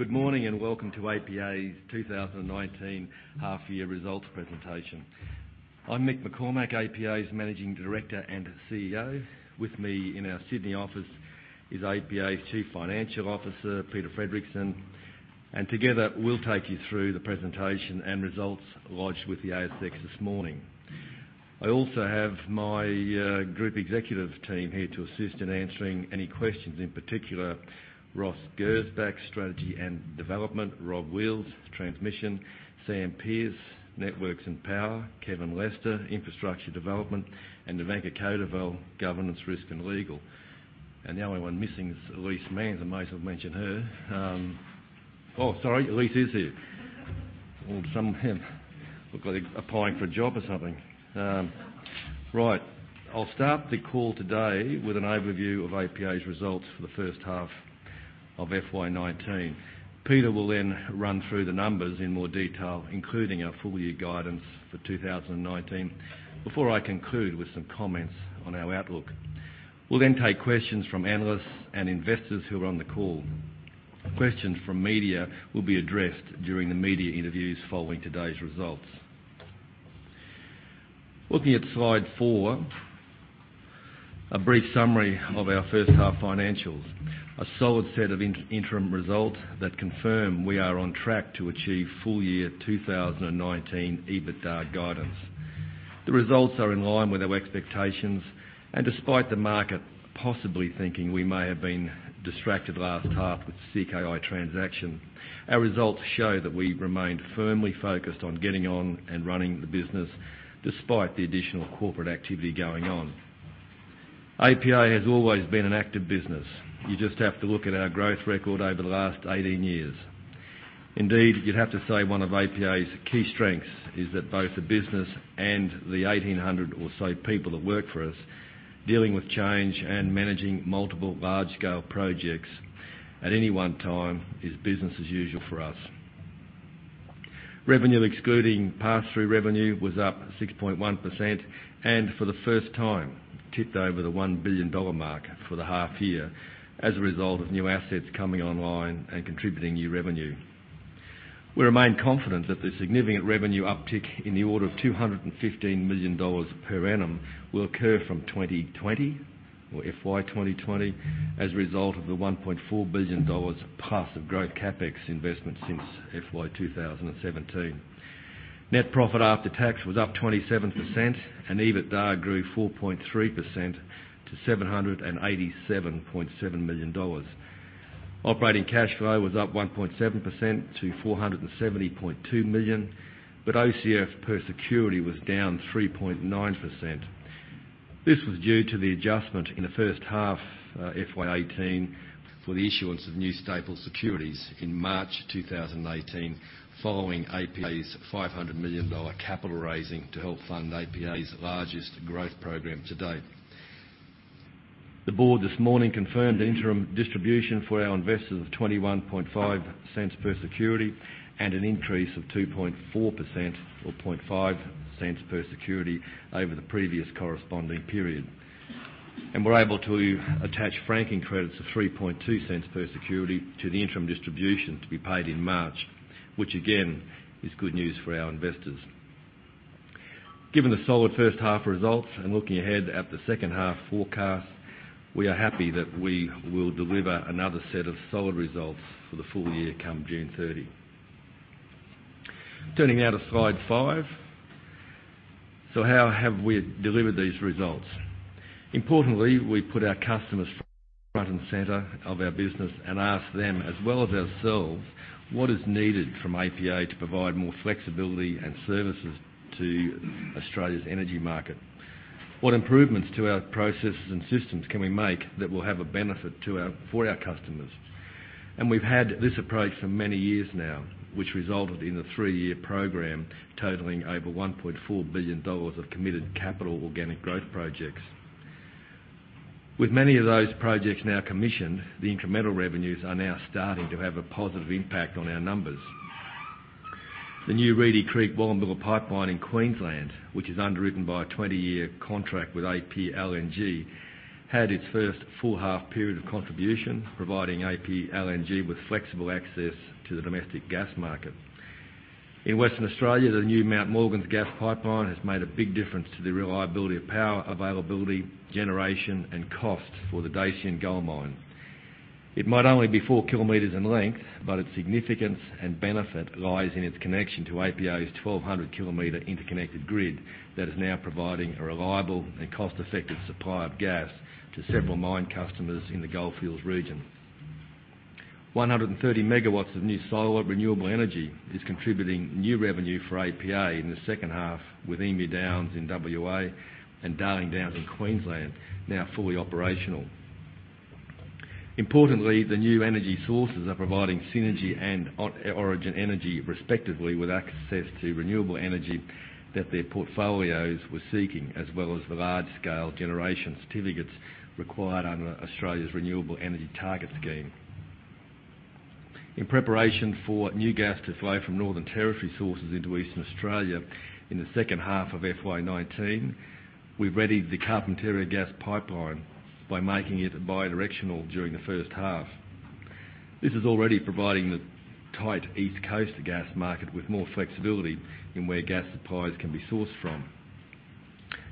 Good morning, welcome to APA's 2019 half-year results presentation. I'm Mick McCormack, APA's Managing Director and Chief Executive Officer. With me in our Sydney office is APA's Chief Financial Officer, Peter Fredricson, and together we'll take you through the presentation and results lodged with the ASX this morning. I also have my Group Executive team here to assist in answering any questions. In particular, Ross Gersbach, Group Executive of Strategy and Development, Rob Wheals, Group Executive Transmission, Sam Pearce, Group Executive, Networks and Power, Kevin Lester, Group Executive, Infrastructure Development, and Nevenka Codevelle, Group Executive, Governance, Risk, and Legal. The only one missing is Elise Manzer, may as well mention her. Sorry, Elise is here. Look like they're applying for a job or something. I'll start the call today with an overview of APA's results for the first half of FY 2019. Peter will run through the numbers in more detail, including our full year guidance for 2019, before I conclude with some comments on our outlook. We'll take questions from analysts and investors who are on the call. Questions from media will be addressed during the media interviews following today's results. Looking at slide four, a brief summary of our first half financials. A solid set of interim results that confirm we are on track to achieve full year 2019 EBITDA guidance. The results are in line with our expectations and despite the market possibly thinking we may have been distracted last half with the CKI transaction, our results show that we remained firmly focused on getting on and running the business despite the additional corporate activity going on. APA has always been an active business. You just have to look at our growth record over the last 18 years. Indeed, you'd have to say one of APA's key strengths is that both the business and the 1,800 or so people that work for us, dealing with change and managing multiple large-scale projects at any one time is business as usual for us. Revenue excluding pass-through revenue was up 6.1% and for the first time tipped over the 1 billion dollar mark for the half year as a result of new assets coming online and contributing new revenue. We remain confident that the significant revenue uptick in the order of 215 million dollars per annum will occur from 2020, or FY 2020, as a result of the 1.4 billion dollars paths of growth CapEx investment since FY 2017. Net profit after tax was up 27%, and EBITDA grew 4.3% to 787.7 million dollars. Operating cash flow was up 1.7% to 470.2 million, but OCF per security was down 3.9%. This was due to the adjustment in the first half, FY 2018, for the issuance of new staple securities in March 2018 following APA's 500 million dollar capital raising to help fund APA's largest growth program to date. The board this morning confirmed the interim distribution for our investors of 0.215 per security and an increase of 2.4%, or 0.005 per security, over the previous corresponding period. We're able to attach franking credits of 0.032 per security to the interim distribution to be paid in March, which again, is good news for our investors. Given the solid first half results and looking ahead at the second half forecast, we are happy that we will deliver another set of solid results for the full year come June 30. Turning now to slide five. How have we delivered these results? Importantly, we put our customers front and center of our business and asked them, as well as ourselves, what is needed from APA to provide more flexibility and services to Australia's energy market. What improvements to our processes and systems can we make that will have a benefit for our customers? We've had this approach for many years now, which resulted in a three-year program totaling over 1.4 billion dollars of committed capital organic growth projects. With many of those projects now commissioned, the incremental revenues are now starting to have a positive impact on our numbers. The new Reedy Creek to Wallumbilla Pipeline in Queensland, which is underwritten by a 20-year contract with APLNG, had its first full half period of contribution, providing APLNG with flexible access to the domestic gas market. In Western Australia, the new Mount Morgans Gas Pipeline has made a big difference to the reliability of power availability, generation, and cost for the Dacian gold mine. It might only be four kilometers in length, but its significance and benefit lies in its connection to APA's 1,200-kilometer interconnected grid that is now providing a reliable and cost-effective supply of gas to several mine customers in the goldfields region. 130 megawatts of new solar renewable energy is contributing new revenue for APA in the second half with Emu Downs in WA and Darling Downs in Queensland now fully operational. Importantly, the new energy sources are providing Synergy and Origin Energy, respectively, with access to renewable energy that their portfolios were seeking, as well as the Large-scale Generation Certificates required under Australia's Renewable Energy Target. In preparation for new gas to flow from Northern Territory sources into Eastern Australia in the second half of FY 2019, we readied the Carpentaria Gas Pipeline by making it bidirectional during the first half. This is already providing the tight East Coast gas market with more flexibility in where gas supplies can be sourced from.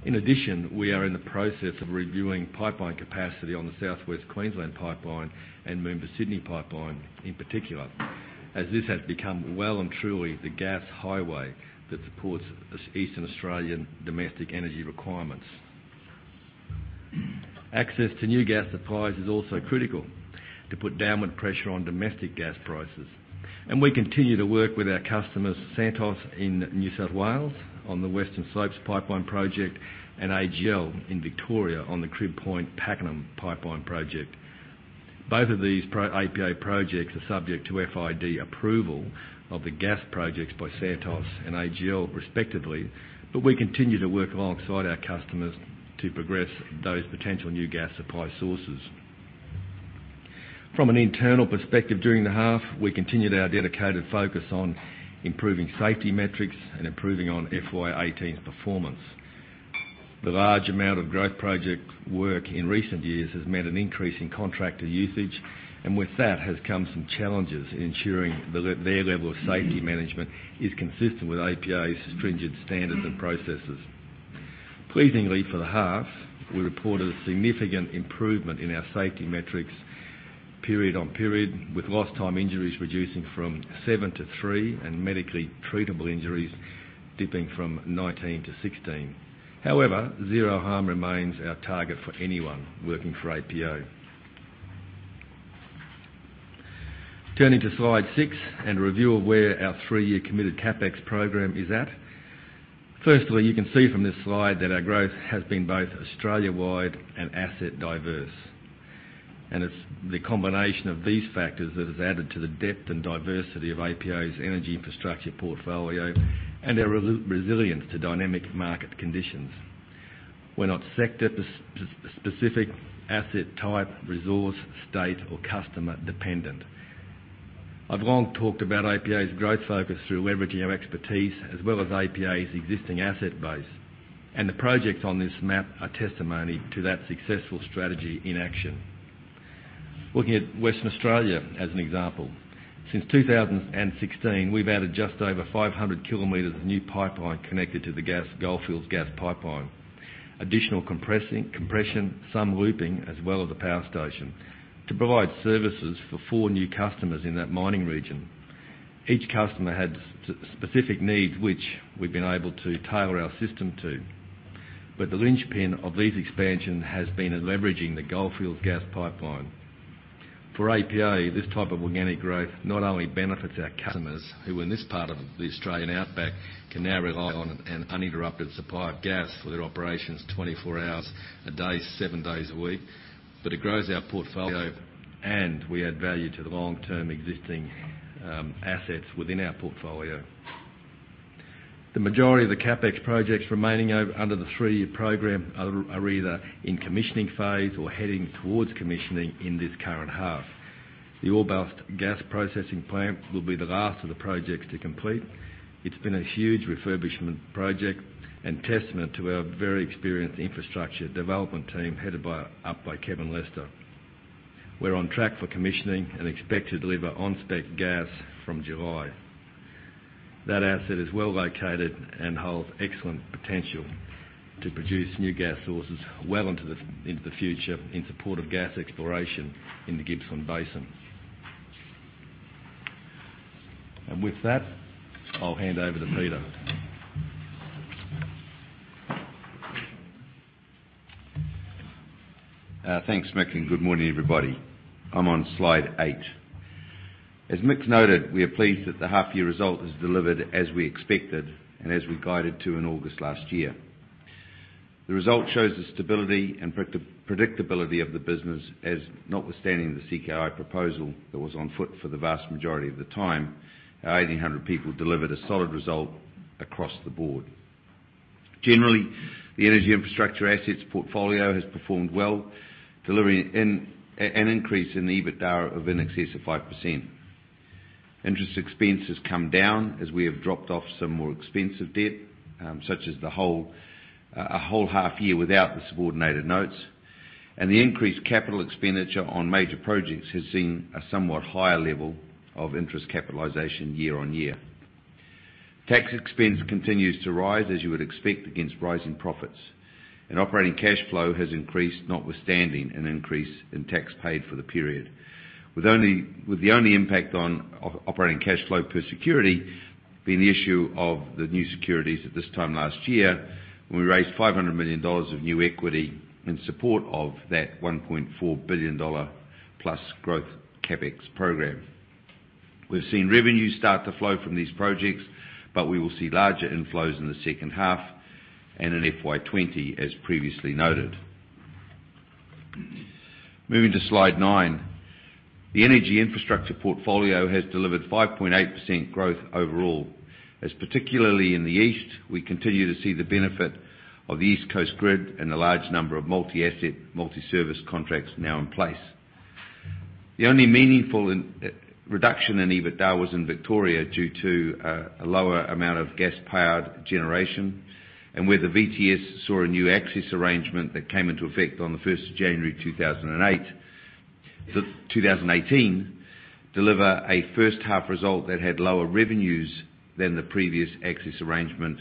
In addition, we are in the process of reviewing pipeline capacity on the South West Queensland Pipeline and Moomba to Sydney Pipeline in particular, as this has become well and truly the gas highway that supports eastern Australian domestic energy requirements. Access to new gas supplies is also critical to put downward pressure on domestic gas prices. We continue to work with our customers, Santos in New South Wales, on the Western Slopes Pipeline, and AGL in Victoria on the Crib Point-Pakenham Pipeline. Both of these APA projects are subject to FID approval of the gas projects by Santos and AGL respectively, we continue to work alongside our customers to progress those potential new gas supply sources. From an internal perspective during the half, we continued our dedicated focus on improving safety metrics and improving on FY 2018's performance. The large amount of growth project work in recent years has meant an increase in contractor usage, and with that has come some challenges in ensuring their level of safety management is consistent with APA's stringent standards and processes. Pleasingly for the half, we reported a significant improvement in our safety metrics period on period, with lost time injuries reducing from seven to three and medically treatable injuries dipping from 19 to 16. However, zero harm remains our target for anyone working for APA. Turning to slide six and a review of where our three-year committed CapEx program is at. Firstly, you can see from this slide that our growth has been both Australia-wide and asset diverse. It's the combination of these factors that has added to the depth and diversity of APA's energy infrastructure portfolio and our resilience to dynamic market conditions. We're not sector-specific, asset type, resource, state, or customer dependent. I've long talked about APA's growth focus through leveraging our expertise, as well as APA's existing asset base. The projects on this map are testimony to that successful strategy in action. Looking at Western Australia as an example. Since 2016, we've added just over 500 kilometers of new pipeline connected to the Goldfields Gas Pipeline, additional compression, some looping, as well as a power station to provide services for four new customers in that mining region. Each customer had specific needs, which we've been able to tailor our system to. The linchpin of this expansion has been in leveraging the Goldfields Gas Pipeline. For APA, this type of organic growth not only benefits our customers, who in this part of the Australian outback can now rely on an uninterrupted supply of gas for their operations 24 hours a day, seven days a week, but it grows our portfolio and we add value to the long-term existing assets within our portfolio. The majority of the CapEx projects remaining under the three-year program are either in commissioning phase or heading towards commissioning in this current half. The Orbost Gas Processing Plant will be the last of the projects to complete. It's been a huge refurbishment project and testament to our very experienced Infrastructure Development team, headed up by Kevin Lester. We're on track for commissioning and expect to deliver on-spec gas from July. That asset is well located and holds excellent potential to produce new gas sources well into the future in support of gas exploration in the Gippsland Basin. With that, I'll hand over to Peter. Thanks, Mick, and good morning, everybody. I'm on slide eight. As Mick's noted, we are pleased that the half-year result is delivered as we expected and as we guided to in August last year. The result shows the stability and predictability of the business as notwithstanding the CKI proposal that was on foot for the vast majority of the time. Our 1,800 people delivered a solid result across the board. Generally, the energy infrastructure assets portfolio has performed well, delivering an increase in the EBITDA of in excess of 5%. Interest expense has come down as we have dropped off some more expensive debt, such as a whole half year without the subordinated notes. The increased capital expenditure on major projects has seen a somewhat higher level of interest capitalization year-on-year. Tax expense continues to rise as you would expect against rising profits. Operating cash flow has increased, notwithstanding an increase in tax paid for the period. The only impact on operating cash flow per security being the issue of the new securities at this time last year, when we raised 500 million dollars of new equity in support of that 1.4 billion dollar-plus growth CapEx program. We've seen revenue start to flow from these projects, but we will see larger inflows in the second half and in FY 2020, as previously noted. Moving to slide nine. The energy infrastructure portfolio has delivered 5.8% growth overall, as particularly in the east, we continue to see the benefit of the East Coast Grid and the large number of multi-asset, multi-service contracts now in place. The only meaningful reduction in EBITDA was in Victoria due to a lower amount of gas-powered generation, where the VTS saw a new access arrangement that came into effect on the 1st of January 2018, deliver a first half result that had lower revenues than the previous access arrangement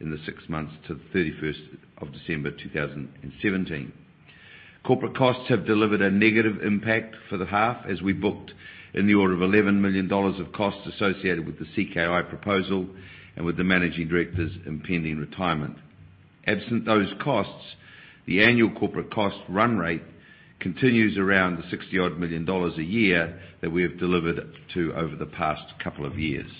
in the six months to the 31st of December 2017. Corporate costs have delivered a negative impact for the half as we booked in the order of 11 million dollars of costs associated with the CKI proposal and with the Managing Director's impending retirement. Absent those costs, the annual corporate cost run rate continues around the 60 odd million a year that we have delivered to over the past couple of years.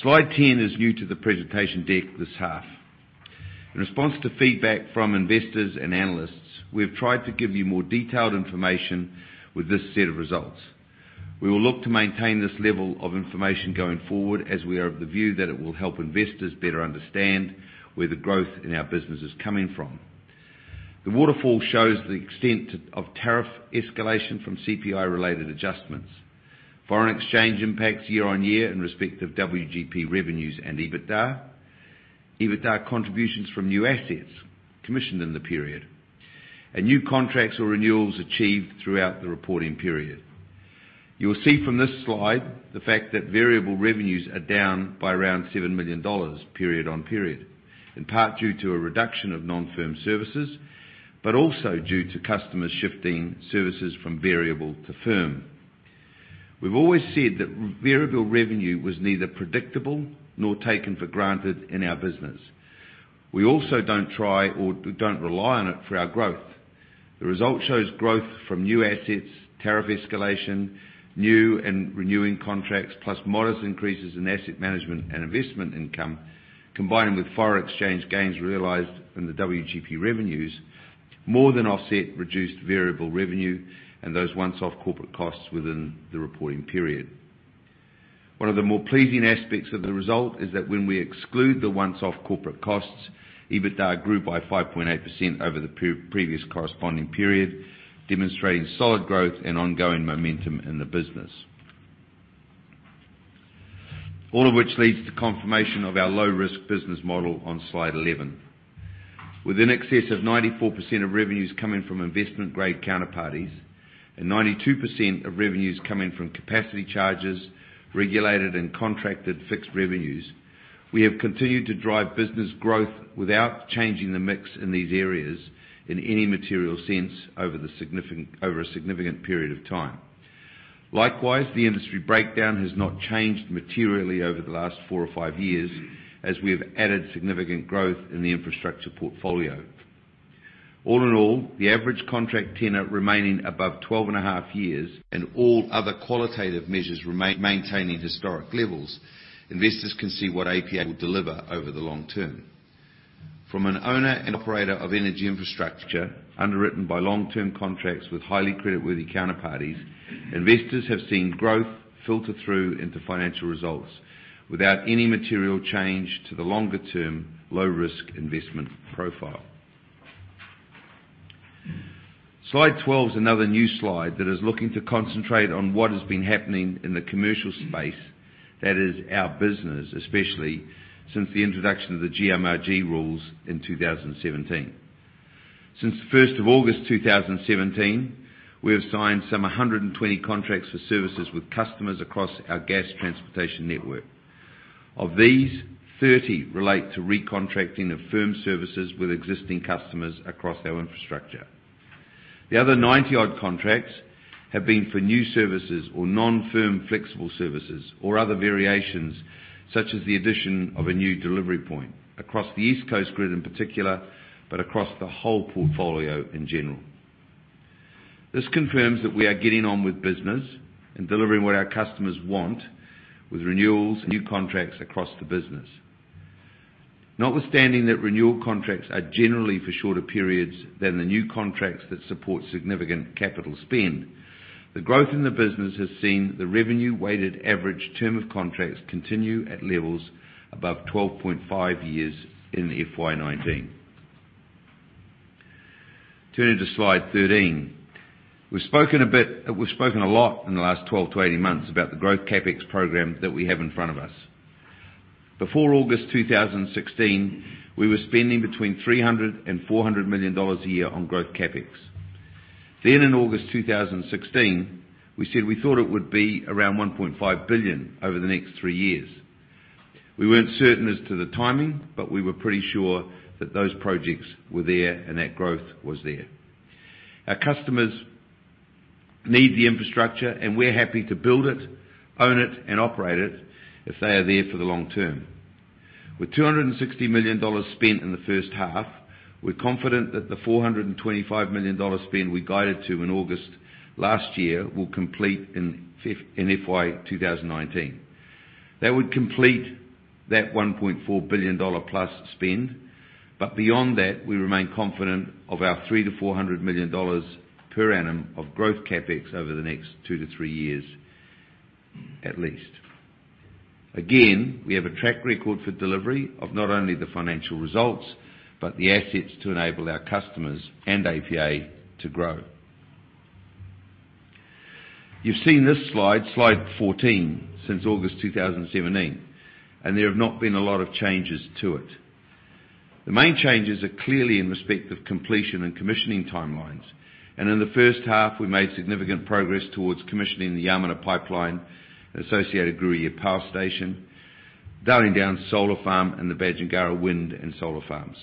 Slide 10 is new to the presentation deck this half. In response to feedback from investors and analysts, we've tried to give you more detailed information with this set of results. We will look to maintain this level of information going forward as we are of the view that it will help investors better understand where the growth in our business is coming from. The waterfall shows the extent of tariff escalation from CPI related adjustments. Foreign exchange impacts year-on-year in respect of WGP revenues and EBITDA. EBITDA contributions from new assets commissioned in the period. New contracts or renewals achieved throughout the reporting period. You will see from this slide the fact that variable revenues are down by around 7 million dollars period-on-period, in part due to a reduction of non-firm services, but also due to customers shifting services from variable to firm. We've always said that variable revenue was neither predictable nor taken for granted in our business. We also don't try or don't rely on it for our growth. The result shows growth from new assets, tariff escalation, new and renewing contracts, plus modest increases in asset management and investment income, combining with foreign exchange gains realized in the WGP revenues, more than offset reduced variable revenue and those one-off corporate costs within the reporting period. One of the more pleasing aspects of the result is that when we exclude the once-off corporate costs, EBITDA grew by 5.8% over the previous corresponding period, demonstrating solid growth and ongoing momentum in the business. All of which leads to confirmation of our low-risk business model on Slide 11. With in excess of 94% of revenues coming from investment-grade counterparties and 92% of revenues coming from capacity charges, regulated and contracted fixed revenues, we have continued to drive business growth without changing the mix in these areas in any material sense over a significant period of time. Likewise, the industry breakdown has not changed materially over the last four or five years as we have added significant growth in the infrastructure portfolio. All in all, the average contract tenure remaining above 12.5 years and all other qualitative measures maintaining historic levels, investors can see what APA will deliver over the long term. From an owner and operator of energy infrastructure, underwritten by long-term contracts with highly creditworthy counterparties, investors have seen growth filter through into financial results without any material change to the longer-term, low-risk investment profile. Slide 12 is another new slide that is looking to concentrate on what has been happening in the commercial space that is our business, especially since the introduction of the GMRG rules in 2017. Since the 1st of August 2017, we have signed some 120 contracts for services with customers across our gas transportation network. Of these, 30 relate to recontracting of firm services with existing customers across our infrastructure. The other 90-odd contracts have been for new services or non-firm flexible services or other variations, such as the addition of a new delivery point across the East Coast grid in particular, but across the whole portfolio in general. This confirms that we are getting on with business and delivering what our customers want with renewals and new contracts across the business. Notwithstanding that renewal contracts are generally for shorter periods than the new contracts that support significant capital spend, the growth in the business has seen the revenue-weighted average term of contracts continue at levels above 12.5 years in FY 2019. Turning to Slide 13. We've spoken a lot in the last 12 to 18 months about the growth CapEx program that we have in front of us. Before August 2016, we were spending between 300 million dollars and AUD 400 million a year on growth CapEx. Then in August 2016, we said we thought it would be around 1.5 billion over the next three years. We weren't certain as to the timing, but we were pretty sure that those projects were there and that growth was there. Our customers need the infrastructure, and we're happy to build it, own it, and operate it if they are there for the long term. With 260 million dollars spent in the first half, we're confident that the 425 million dollars spend we guided to in August last year will complete in FY 2019. That would complete that 1.4 billion dollar-plus spend. But beyond that, we remain confident of our 300 million to 400 million dollars per annum of growth CapEx over the next two to three years at least. Again, we have a track record for delivery of not only the financial results, but the assets to enable our customers and APA to grow. You've seen this slide, Slide 14, since August 2017, and there have not been a lot of changes to it. The main changes are clearly in respect of completion and commissioning timelines. In the first half, we made significant progress towards commissioning the Yamarna Gas Pipeline, associated Gruyere Power Station, Darling Downs Solar Farm, and the Badgingarra Wind and Solar Farms.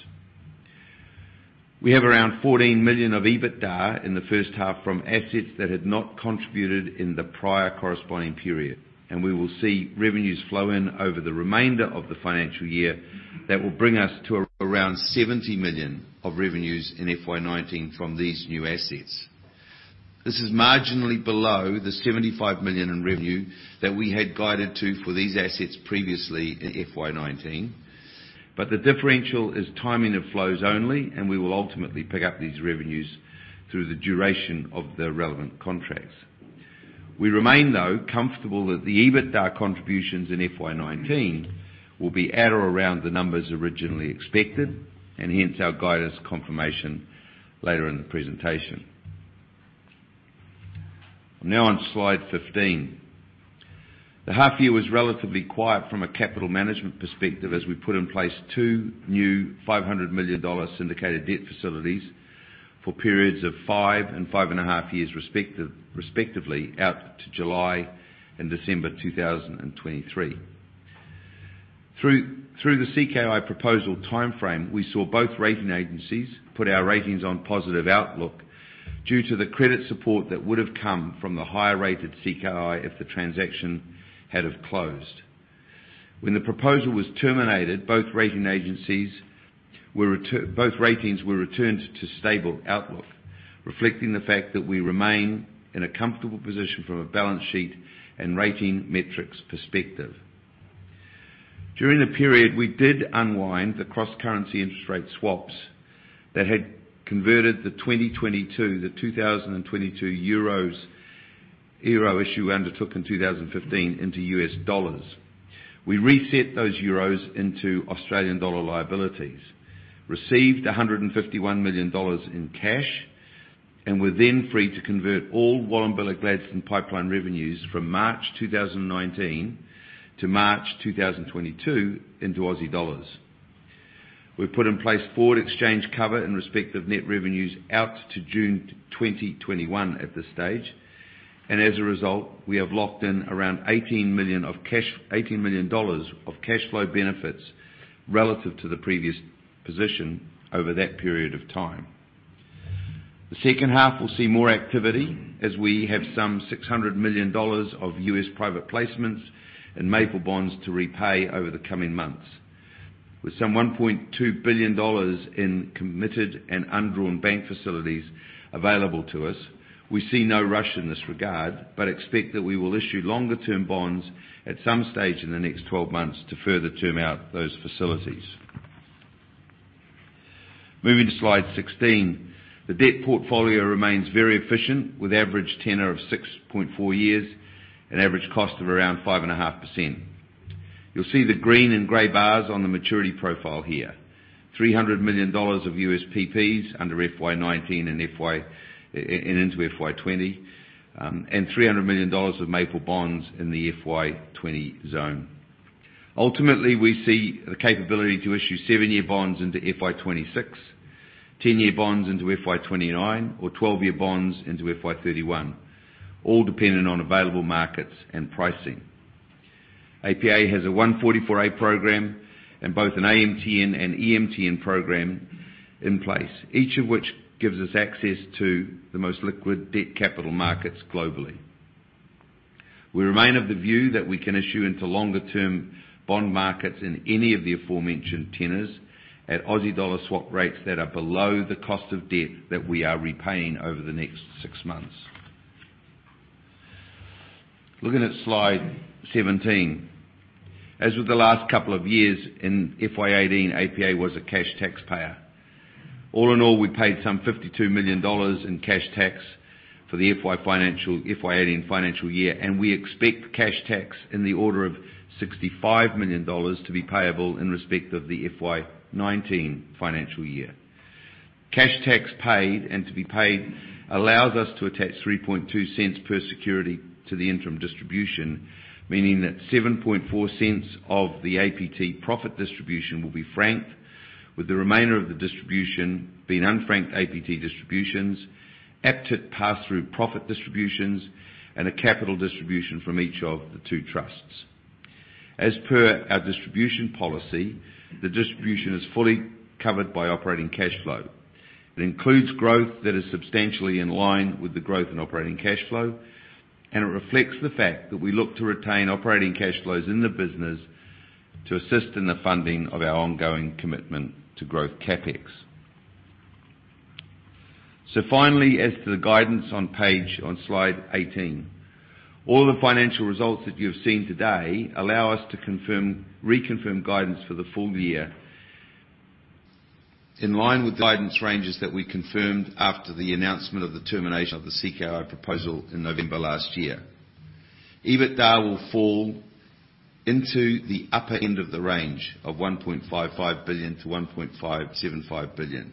We have around 14 million of EBITDA in the first half from assets that had not contributed in the prior corresponding period, and we will see revenues flow in over the remainder of the financial year that will bring us to around 70 million of revenues in FY 2019 from these new assets. This is marginally below the 75 million in revenue that we had guided to for these assets previously in FY 2019. But the differential is timing of flows only, and we will ultimately pick up these revenues through the duration of the relevant contracts. We remain, though, comfortable that the EBITDA contributions in FY 2019 will be at or around the numbers originally expected, and hence our guidance confirmation later in the presentation. I am now on slide 15. The half year was relatively quiet from a capital management perspective, as we put in place two new 500 million dollar syndicated debt facilities for periods of five and five and a half years respectively, out to July and December 2023. Through the CKI proposal timeframe, we saw both rating agencies put our ratings on positive outlook due to the credit support that would have come from the higher-rated CKI if the transaction had have closed. When the proposal was terminated, both ratings were returned to stable outlook, reflecting the fact that we remain in a comfortable position from a balance sheet and rating metrics perspective. During the period, we did unwind the cross-currency interest rate swaps that had converted the 2022 EUR issue we undertook in 2015 into U.S. dollars. We reset those EUR into Australian dollar liabilities, received $151 million in cash, and were then free to convert all Wallumbilla Gladstone Pipeline revenues from March 2019 to March 2022 into AUD. We have put in place forward exchange cover in respect of net revenues out to June 2021 at this stage. As a result, we have locked in around 18 million dollars of cash flow benefits relative to the previous position over that period of time. The second half will see more activity as we have some 600 million dollars of U.S. Private Placements and Maple bonds to repay over the coming months. With some 1.2 billion dollars in committed and undrawn bank facilities available to us, we see no rush in this regard, but expect that we will issue longer term bonds at some stage in the next 12 months to further term out those facilities. Moving to slide 16. The debt portfolio remains very efficient, with average tenor of 6.4 years and average cost of around 5.5%. You will see the green and gray bars on the maturity profile here. 300 million dollars of USPPs under FY 2019 and into FY 2020, and 300 million dollars of Maple bonds in the FY 2020 zone. Ultimately, we see the capability to issue seven-year bonds into FY 2026, 10-year bonds into FY 2029, or 12-year bonds into FY 2031, all dependent on available markets and pricing. APA has a 144A program and both an AMTN and EMTN program in place, each of which gives us access to the most liquid debt capital markets globally. We remain of the view that we can issue into longer term bond markets in any of the aforementioned tenors at Australian dollar swap rates that are below the cost of debt that we are repaying over the next six months. Looking at slide 17. As with the last couple of years, in FY 2018, APA was a cash taxpayer. All in all, we paid some 52 million dollars in cash tax for the FY 2018 financial year, and we expect cash tax in the order of 65 million dollars to be payable in respect of the FY 2019 financial year. Cash tax paid and to be paid allows us to attach 0.032 per security to the interim distribution, meaning that 0.074 of the APT profit distribution will be franked, with the remainder of the distribution being unfranked APT distributions, APT pass-through profit distributions, and a capital distribution from each of the two trusts. As per our distribution policy, the distribution is fully covered by operating cash flow. It includes growth that is substantially in line with the growth in operating cash flow, and it reflects the fact that we look to retain operating cash flows in the business to assist in the funding of our ongoing commitment to growth CapEx. Finally, as to the guidance on slide 18. All the financial results that you've seen today allow us to reconfirm guidance for the full year. In line with the guidance ranges that we confirmed after the announcement of the termination of the CKI proposal in November last year. EBITDA will fall into the upper end of the range of 1.55 billion-1.575 billion.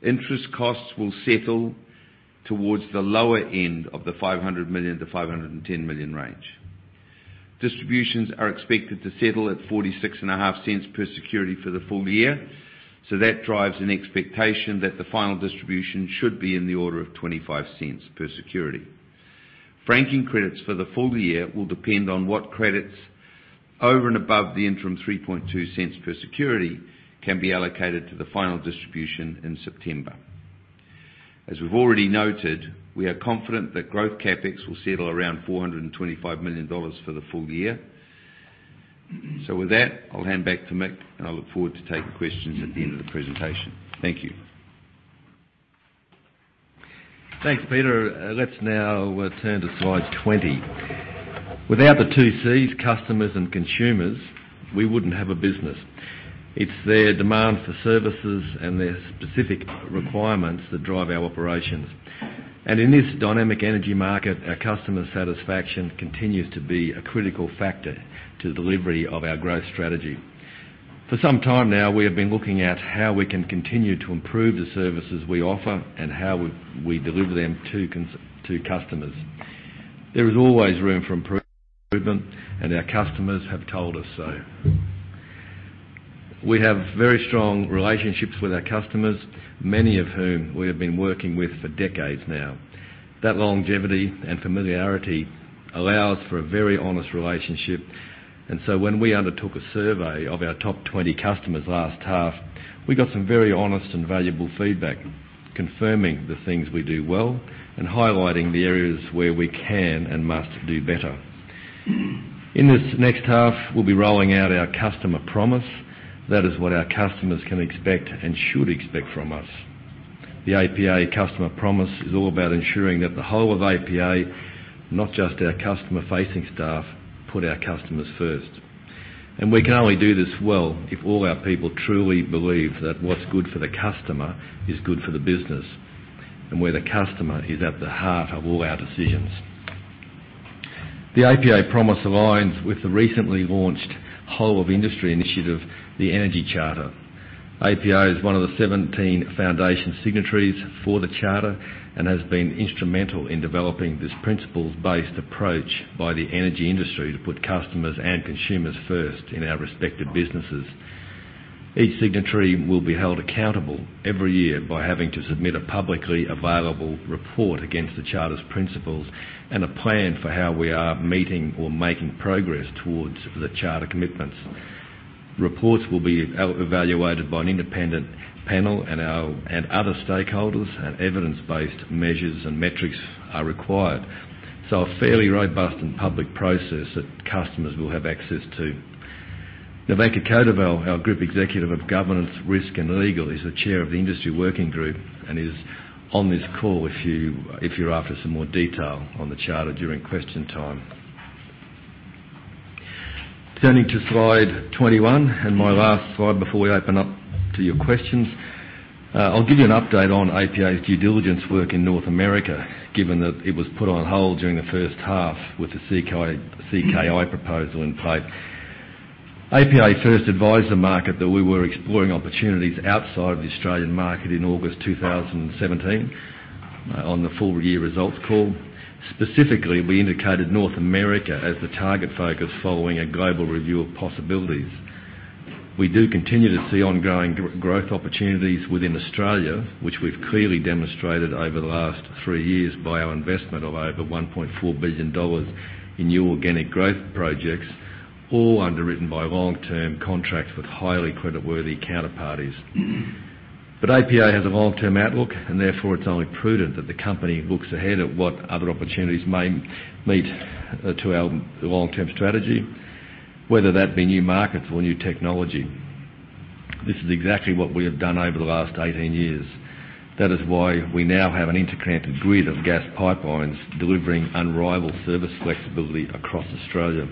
Interest costs will settle towards the lower end of the 500 million-510 million range. Distributions are expected to settle at 0.465 per security for the full year, that drives an expectation that the final distribution should be in the order of 0.25 per security. Franking credits for the full year will depend on what credits over and above the interim 0.032 per security can be allocated to the final distribution in September. As we've already noted, we are confident that growth CapEx will settle around 425 million dollars for the full year. With that, I'll hand back to Mick, and I look forward to taking questions at the end of the presentation. Thank you. Thanks, Peter. Let's now turn to slide 20. Without the two Cs, customers and consumers, we wouldn't have a business. It's their demands for services and their specific requirements that drive our operations. In this dynamic energy market, our customer satisfaction continues to be a critical factor to the delivery of our growth strategy. For some time now, we have been looking at how we can continue to improve the services we offer and how we deliver them to customers. There is always room for improvement, and our customers have told us so. We have very strong relationships with our customers, many of whom we have been working with for decades now. That longevity and familiarity allows for a very honest relationship. When we undertook a survey of our top 20 customers last half, we got some very honest and valuable feedback confirming the things we do well and highlighting the areas where we can and must do better. In this next half, we'll be rolling out our customer promise. That is what our customers can expect and should expect from us. The APA customer promise is all about ensuring that the whole of APA, not just our customer-facing staff, put our customers first. We can only do this well if all our people truly believe that what's good for the customer is good for the business, and where the customer is at the heart of all our decisions. The APA promise aligns with the recently launched whole of industry initiative, The Energy Charter. APA is one of the 17 foundation signatories for the charter and has been instrumental in developing this principles-based approach by the energy industry to put customers and consumers first in our respective businesses. Each signatory will be held accountable every year by having to submit a publicly available report against the charter's principles and a plan for how we are meeting or making progress towards the charter commitments. Reports will be evaluated by an independent panel and other stakeholders, and evidence-based measures and metrics are required. A fairly robust and public process that customers will have access to. Vivanka Kodivail, our Group Executive of Governance, Risk, and Legal, is the chair of the industry working group and is on this call if you're after some more detail on the charter during question time. Turning to slide 21 and my last slide before we open up to your questions. I'll give you an update on APA's due diligence work in North America, given that it was put on hold during the first half with the CKI proposal in play. APA first advised the market that we were exploring opportunities outside the Australian market in August 2017 on the full-year results call. Specifically, we indicated North America as the target focus following a global review of possibilities. We do continue to see ongoing growth opportunities within Australia, which we've clearly demonstrated over the last three years by our investment of over AUD 1.4 billion in new organic growth projects, all underwritten by long-term contracts with highly creditworthy counterparties. APA has a long-term outlook, and therefore it's only prudent that the company looks ahead at what other opportunities may meet to our long-term strategy, whether that be new markets or new technology. This is exactly what we have done over the last 18 years. That is why we now have an integrated grid of gas pipelines delivering unrivaled service flexibility across Australia.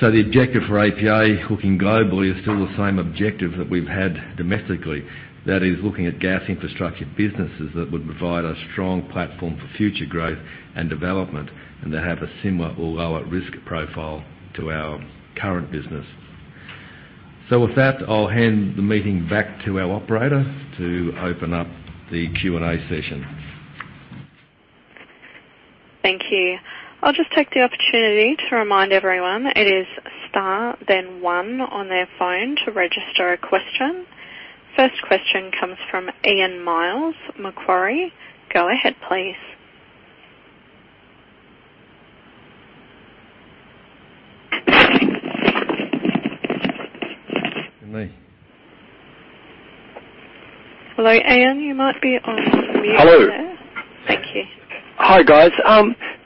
The objective for APA hooking globally is still the same objective that we've had domestically. That is looking at gas infrastructure businesses that would provide a strong platform for future growth and development, and that have a similar or lower risk profile to our current business. With that, I'll hand the meeting back to our operator to open up the Q&A session. Thank you. I'll just take the opportunity to remind everyone it is star then one on their phone to register a question. First question comes from Ian Myles, Macquarie. Go ahead, please. Hello, Ian, you might be on mute there. Hello. Thank you. Hi, guys.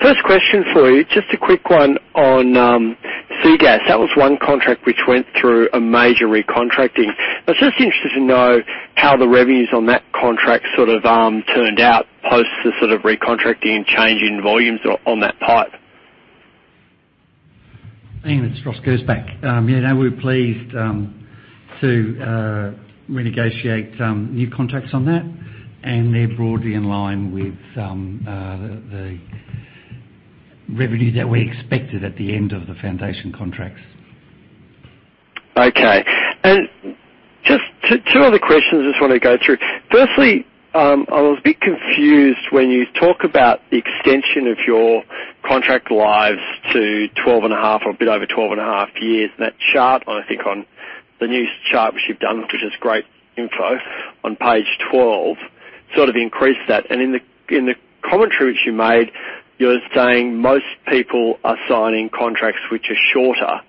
First question for you, just a quick one on SEA Gas. That was one contract which went through a major recontracting. I was just interested to know how the revenues on that contract sort of turned out post the sort of recontracting, change in volumes on that pipe? Ian, it's Ross Gersbach. We're pleased to renegotiate new contracts on that, and they're broadly in line with the revenue that we expected at the end of the foundation contracts. Just two other questions I just want to go through. Firstly, I was a bit confused when you talk about the extension of your contract lives to 12.5 or a bit over 12.5 years. That chart, I think on the new chart which you've done, which is great info, on page 12, sort of increased that. In the commentary which you made, you were saying most people are signing contracts which are shorter.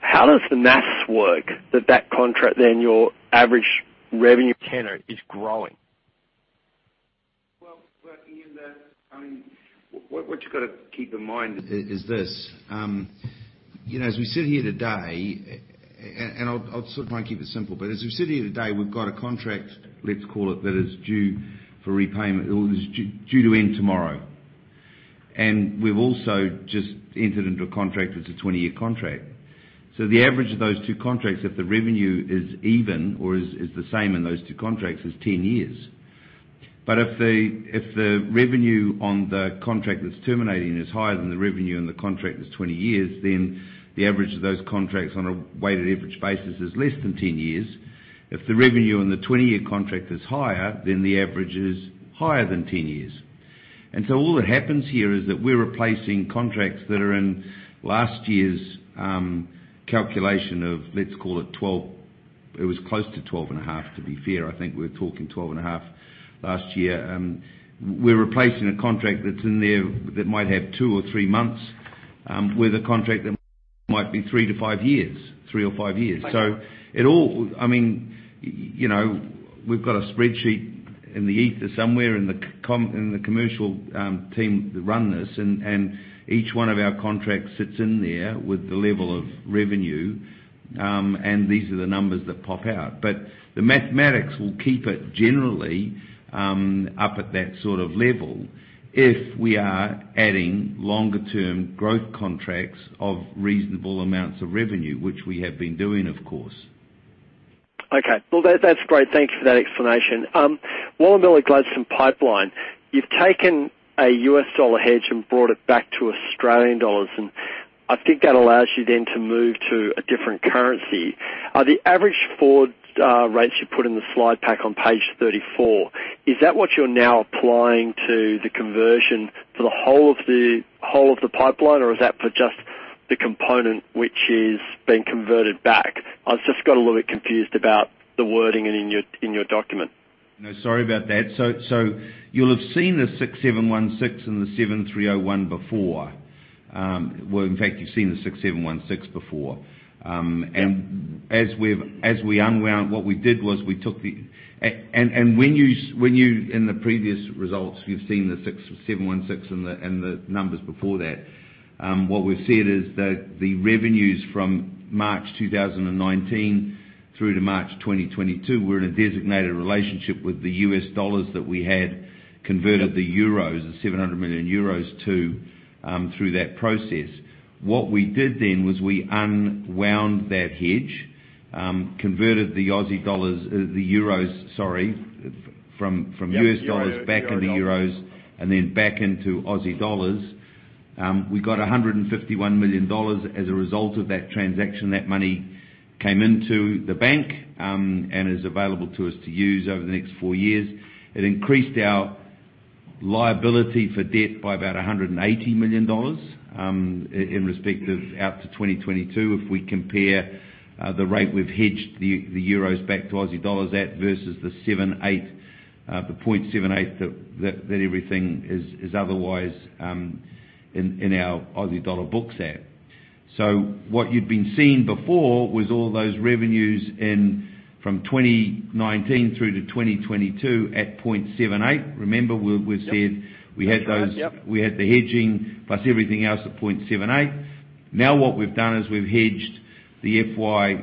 How does the math work that that contract then your average revenue tenor is growing? Ian, what you gotta keep in mind is this. As we sit here today, we've got a contract, let's call it, that is due for repayment or is due to end tomorrow. We've also just entered into a contract that's a 20-year contract. The average of those two contracts, if the revenue is even or is the same in those two contracts, is 10 years. If the revenue on the contract that's terminating is higher than the revenue on the contract that's 20 years, then the average of those contracts on a weighted average basis is less than 10 years. If the revenue on the 20-year contract is higher, then the average is higher than 10 years. All that happens here is that we're replacing contracts that are in last year's calculation of, let's call it 12, it was close to 12.5 to be fair, I think we're talking 12.5 last year. We're replacing a contract that's in there that might have two or three months with a contract that might be three to five years. Three or five years. I see. We've got a spreadsheet in the ether somewhere, and the commercial team run this, and each one of our contracts sits in there with the level of revenue, and these are the numbers that pop out. The mathematics will keep it generally up at that sort of level if we are adding longer-term growth contracts of reasonable amounts of revenue, which we have been doing, of course. Okay. Well, that's great. Thank you for that explanation. Wallumbilla Gladstone Pipeline, you've taken a U.S. dollar hedge and brought it back to Australian dollars, and I think that allows you then to move to a different currency. The average forward rates you put in the slide pack on page 34, is that what you're now applying to the conversion for the whole of the pipeline, or is that for just the component which is being converted back? I just got a little bit confused about the wording in your document. No, sorry about that. You'll have seen the 6716 and the 7301 before. Well, in fact, you've seen the 6716 before. When you, in the previous results, you've seen the 6716 and the numbers before that. What we've said is that the revenues from March 2019 through to March 2022 were in a designated relationship with the U.S. dollars that we had converted the euros, the 700 million euros to, through that process. What we did then was we unwound that hedge, converted the Aussie dollars, the euros, sorry, from U.S. dollars back into euros, and then back into Aussie dollars. We got 151 million dollars as a result of that transaction. That money came into the bank, and is available to us to use over the next four years. It increased our liability for debt by about 180 million dollars, in respect of out to 2022 if we compare the rate we've hedged the euros back to AUD at versus the 0.78 that everything is otherwise, in our AUD books at. What you'd been seeing before was all those revenues from 2019 through to 2022 at 0.78. Remember, we said- Yep. We had those- That's right. Yep. We had the hedging plus everything else at 0.78. Now what we've done is we've hedged the FY,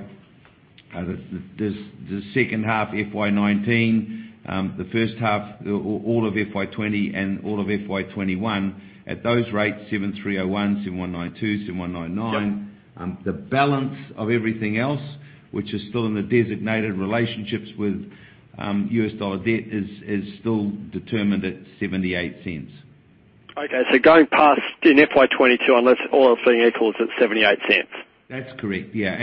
the second half FY 2019, the first half, all of FY 2020, and all of FY 2021 at those rates, 7301, 7192, 7199. Yep. The balance of everything else, which is still in the designated relationships with US dollar debt is still determined at $0.78. Okay. Going past in FY 2022, unless oil thing equals at $0.78. That's correct, yeah.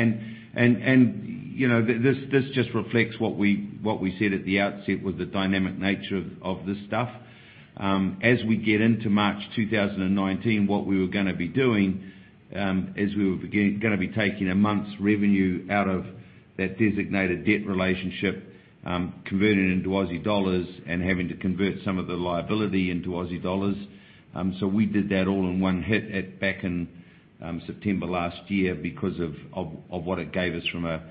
This just reflects what we said at the outset was the dynamic nature of this stuff. As we get into March 2019, what we were gonna be doing, is we were gonna be taking a month's revenue out of that designated debt relationship, converting it into AUD, and having to convert some of the liability into AUD. We did that all in one hit back in September last year because of what it gave us from a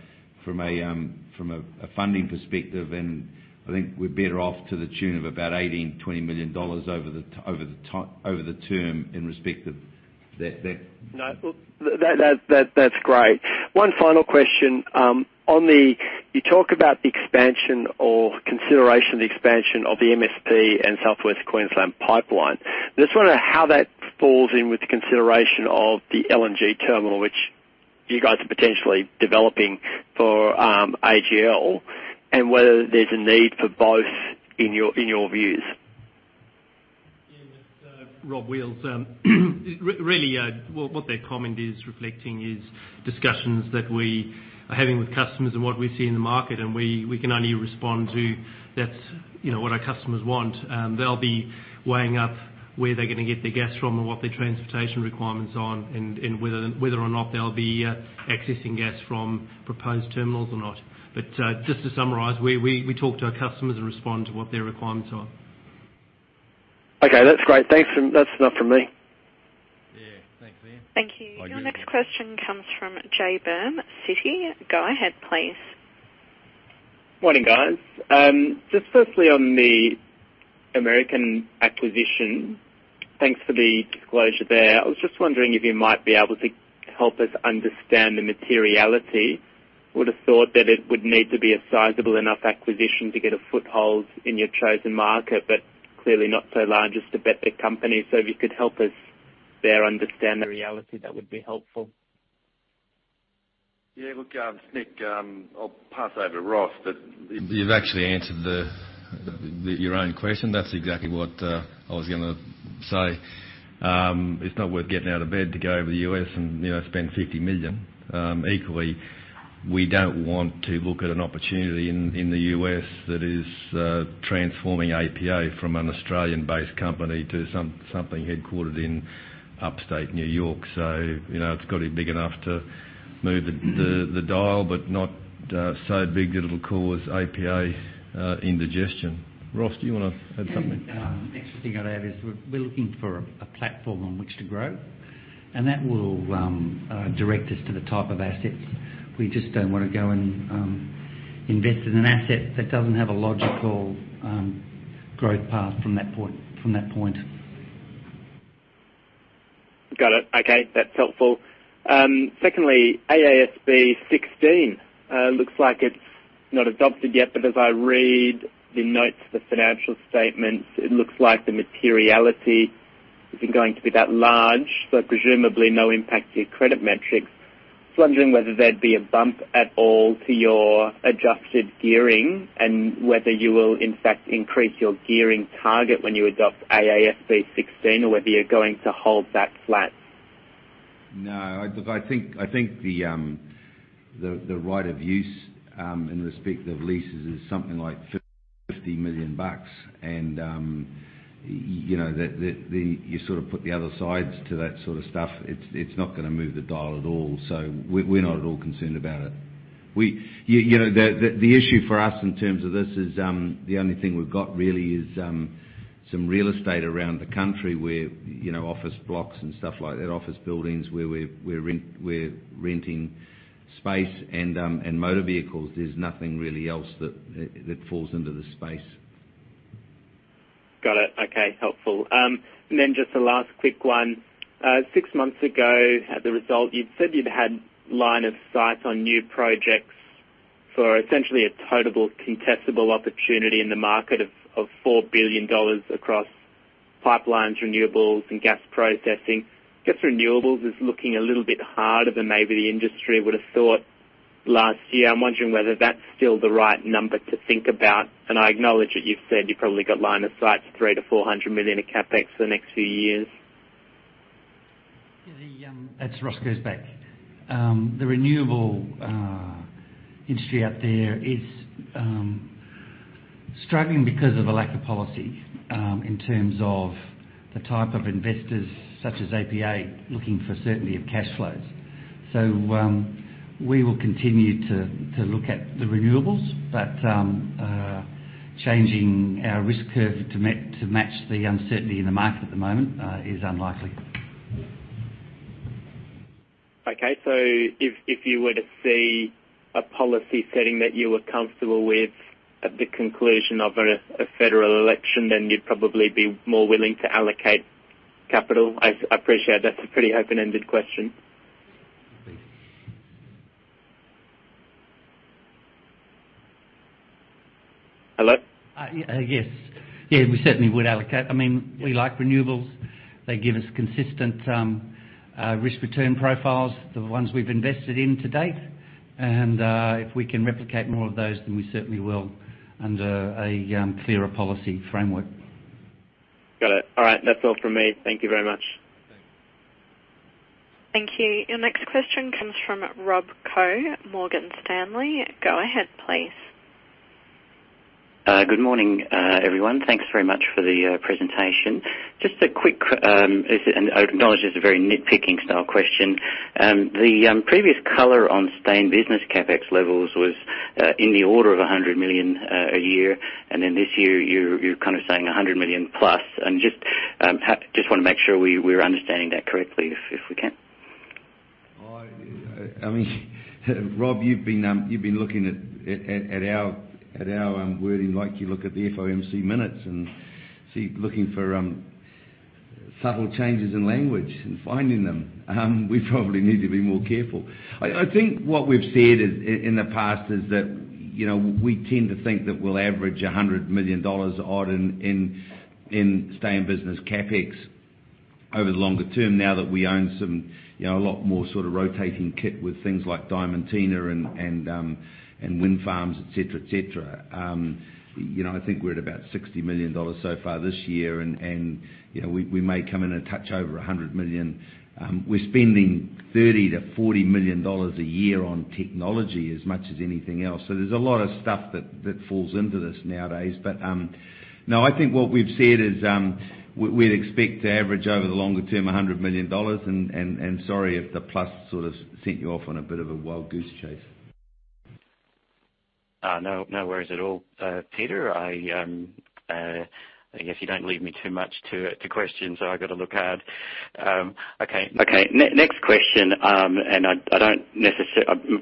funding perspective, and I think we're better off to the tune of about 18 million-20 million dollars over the term in respect of that. No. Well, that's great. One final question. You talk about the expansion or consideration of the expansion of the MSP and South West Queensland Pipeline. I just wonder how that falls in with the consideration of the LNG terminal, You guys are potentially developing for AGL and whether there's a need for both in your views. Yeah. Rob Wheals. Really, what their comment is reflecting is discussions that we are having with customers and what we see in the market, and we can only respond to what our customers want. They'll be weighing up where they're going to get their gas from and what their transportation requirements are, and whether or not they'll be accessing gas from proposed terminals or not. Just to summarize, we talk to our customers and respond to what their requirements are. Okay. That's great. Thanks. That's enough for me. Yeah. Thanks, Ian. Thank you. Your next question comes from James Byrne, Citi. Go ahead, please. Morning, guys. Firstly on the American acquisition, thanks for the disclosure there. I was just wondering if you might be able to help us understand the materiality. Would have thought that it would need to be a sizable enough acquisition to get a foothold in your chosen market, but clearly not so large as to bet the company. If you could help us there understand the reality, that would be helpful. Yeah. Look, Nick, I'll pass over to Ross. You've actually answered your own question. That's exactly what I was going to say. It's not worth getting out of bed to go over to the U.S. and spend 50 million. Equally, we don't want to look at an opportunity in the U.S. that is transforming APA from an Australian-based company to something headquartered in upstate New York. It's got to be big enough to move the dial, but not so big that it'll cause APA indigestion. Ross, do you want to add something? The next thing I'd add is we're looking for a platform on which to grow, and that will direct us to the type of assets. We just don't want to go and invest in an asset that doesn't have a logical growth path from that point. Got it. Okay. That's helpful. Secondly, AASB 16. Looks like it's not adopted yet, but as I read the notes, the financial statements, it looks like the materiality isn't going to be that large, so presumably no impact to your credit metrics. Just wondering whether there'd be a bump at all to your adjusted gearing and whether you will in fact increase your gearing target when you adopt AASB 16 or whether you're going to hold that flat? Because I think the right of use in respect of leases is something like 50 million bucks and you sort of put the other sides to that sort of stuff, it's not going to move the dial at all. We're not at all concerned about it. The issue for us in terms of this is, the only thing we've got really is some real estate around the country where office blocks and stuff like that, office buildings where we're renting space and motor vehicles. There's nothing really else that falls into the space. Got it. Okay. Helpful. Just a last quick one. 6 months ago, at the result, you said you'd had line of sight on new projects for essentially a total contestable opportunity in the market of 4 billion dollars across pipelines, renewables, and gas processing. I guess renewables is looking a little bit harder than maybe the industry would have thought last year. I'm wondering whether that's still the right number to think about, and I acknowledge that you've said you probably got line of sight to 300 million-400 million in CapEx for the next few years. It's Ross Gersbach. The renewable industry out there is struggling because of a lack of policy in terms of the type of investors such as APA, looking for certainty of cash flows. We will continue to look at the renewables, but changing our risk curve to match the uncertainty in the market at the moment is unlikely. If you were to see a policy setting that you were comfortable with at the conclusion of a federal election, then you'd probably be more willing to allocate capital? I appreciate that's a pretty open-ended question. Thanks. Hello? Yes. We certainly would allocate. We like renewables. They give us consistent risk-return profiles to the ones we've invested in to date. If we can replicate more of those, then we certainly will under a clearer policy framework. Got it. All right. That's all from me. Thank you very much. Thanks. Thank you. Your next question comes from Rob Koh, Morgan Stanley. Go ahead, please. Good morning, everyone. Thanks very much for the presentation. Just a quick. I acknowledge this is a very nitpicking style question. The previous color on stay-in business CapEx levels was in the order of 100 million a year. This year you're saying 100 million plus. Just want to make sure we are understanding that correctly, if we can. Rob, you've been looking at our wording like you look at the FOMC minutes and looking for subtle changes in language and finding them. We probably need to be more careful. I think what we've said in the past is, we tend to think that we'll average 100 million dollars odd in stay in business CapEx over the longer term, now that we own a lot more sort of rotating kit with things like Diamantina and wind farms, et cetera. I think we're at about 60 million dollars so far this year. We may come in a touch over 100 million. We're spending 30 million-40 million dollars a year on technology as much as anything else. There's a lot of stuff that falls into this nowadays. No, I think what we've said is, we'd expect to average over the longer term, 100 million dollars. Sorry if the plus sort of sent you off on a bit of a wild goose chase. No worries at all. Peter, I guess you don't leave me too much to question. I've got to look hard. Okay, next question.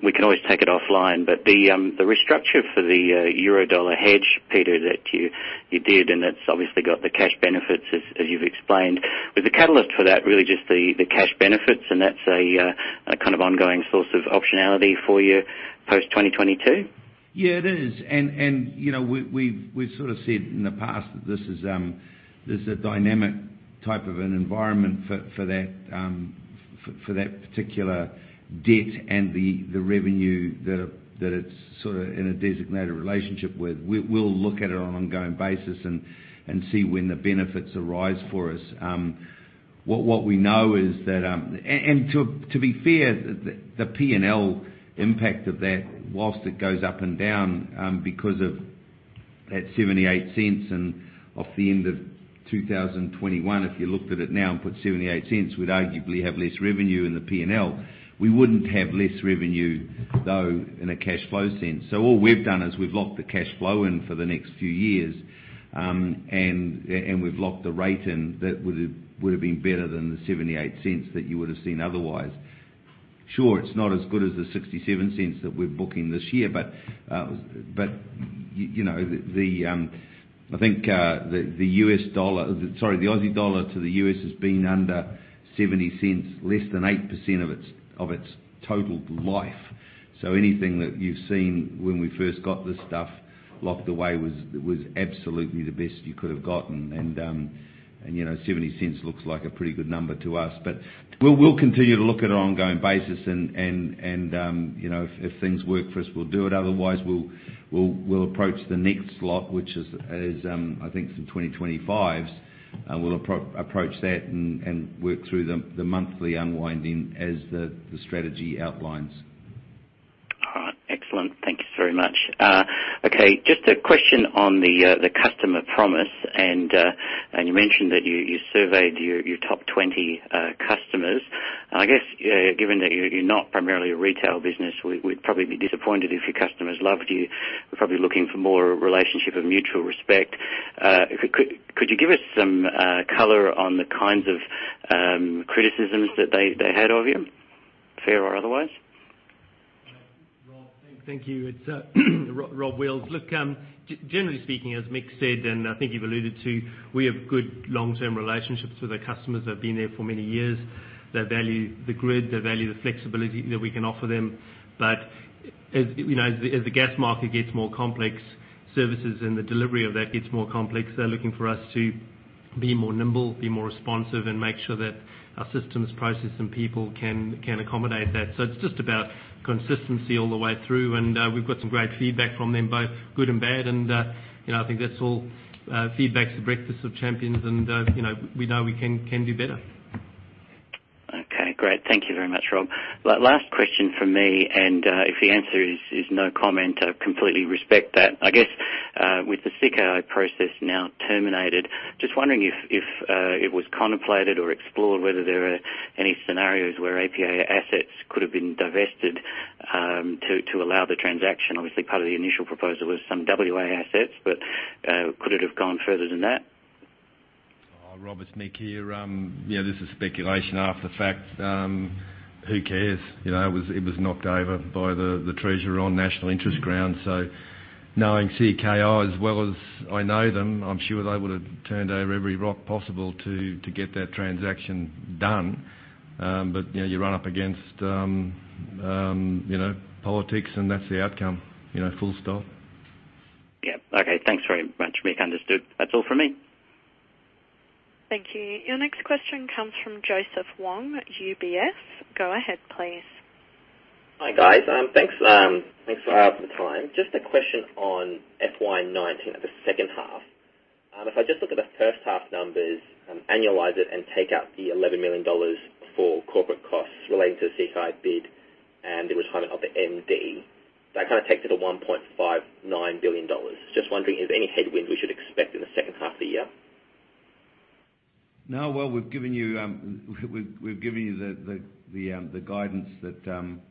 We can always take it offline. The restructure for the euro-dollar hedge, Peter, that you did. It's obviously got the cash benefits as you've explained. Was the catalyst for that really just the cash benefits and that's a kind of ongoing source of optionality for you post 2022? Yeah, it is. We've sort of said in the past that this is a dynamic type of an environment for that particular debt and the revenue that it's sort of in a designated relationship with. We'll look at it on an ongoing basis and see when the benefits arise for us. What we know is that. To be fair, the P&L impact of that, whilst it goes up and down because of that 0.78 and off the end of 2021. If you looked at it now and put 0.78, we'd arguably have less revenue in the P&L. We wouldn't have less revenue though in a cash flow sense. All we've done is we've locked the cash flow in for the next few years. We've locked the rate in, that would've been better than the 0.78 that you would've seen otherwise. Sure, it's not as good as the 0.67 that we're booking this year. I think the Australian dollar to the U.S. has been under 0.70, less than 8% of its total life. Anything that you've seen when we first got this stuff locked away was absolutely the best you could have gotten. 0.70 looks like a pretty good number to us. We'll continue to look at it on an ongoing basis and if things work for us, we'll do it. Otherwise, we'll approach the next lot, which is I think some 2025s. We'll approach that and work through the monthly unwind as the strategy outlines. All right. Excellent. Thank you so very much. Just a question on the customer promise and, you mentioned that you surveyed your top 20 customers. I guess, given that you're not primarily a retail business, we'd probably be disappointed if your customers loved you. We're probably looking for more a relationship of mutual respect. Could you give us some color on the kinds of criticisms that they had of you, fair or otherwise? Rob, thank you. It's Rob Wheals. Generally speaking, as Mick said, I think you've alluded to, we have good long-term relationships with our customers that have been there for many years. They value the grid, they value the flexibility that we can offer them. As the gas market gets more complex, services and the delivery of that gets more complex, they're looking for us to be more nimble, be more responsive, and make sure that our systems, process, and people can accommodate that. It's just about consistency all the way through. We've got some great feedback from them, both good and bad. I think that's all, feedback is the breakfast of champions and we know we can do better. Okay, great. Thank you very much, Rob. Last question from me and, if the answer is no comment, I completely respect that. I guess, with the CKI process now terminated, just wondering if it was contemplated or explored whether there are any scenarios where APA assets could have been divested to allow the transaction. Obviously, part of the initial proposal was some WA assets, but could it have gone further than that? Robert, Mick here. Yeah, this is speculation after the fact. Who cares? It was knocked over by the treasurer on national interest grounds. Knowing CKI as well as I know them, I'm sure they would've turned over every rock possible to get that transaction done. You run up against politics and that's the outcome. Full stop. Yeah. Okay, thanks very much, Mick. Understood. That's all from me. Thank you. Your next question comes from Joseph Wong at UBS. Go ahead, please. Hi, guys. Thanks for the time. Just a question on FY 2019 at the second half. If I just look at the first half numbers, annualize it, and take out the 11 million dollars for corporate costs relating to the CKI bid and the retirement of the MD, that takes it to 1.59 billion dollars. Just wondering if there's any headwinds we should expect in the second half of the year? No. Well, we've given you the guidance that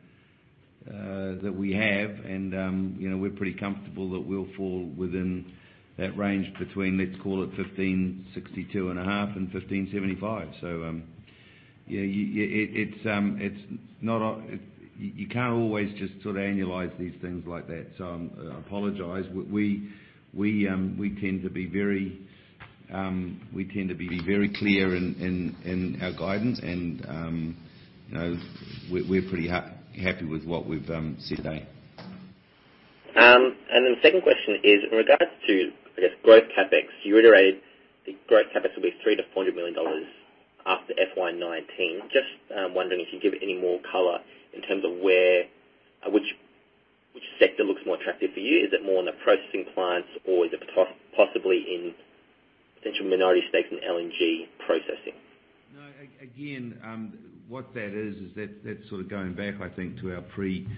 we have and we're pretty comfortable that we'll fall within that range between, let's call it 1,562.5 million and 1,575 million. You can't always just annualize these things like that, so I apologize. We tend to be very clear in our guidance, and we're pretty happy with what we've said today. The second question is in regards to, I guess, growth CapEx. You reiterated the growth CapEx will be 300 million to 400 million dollars after FY 2019. Just wondering if you can give any more color in terms of which sector looks more attractive for you. Is it more in the processing clients, or is it possibly in potential minority stakes in LNG processing? No. Again, what that is that's sort of going back, I think, to our pre-August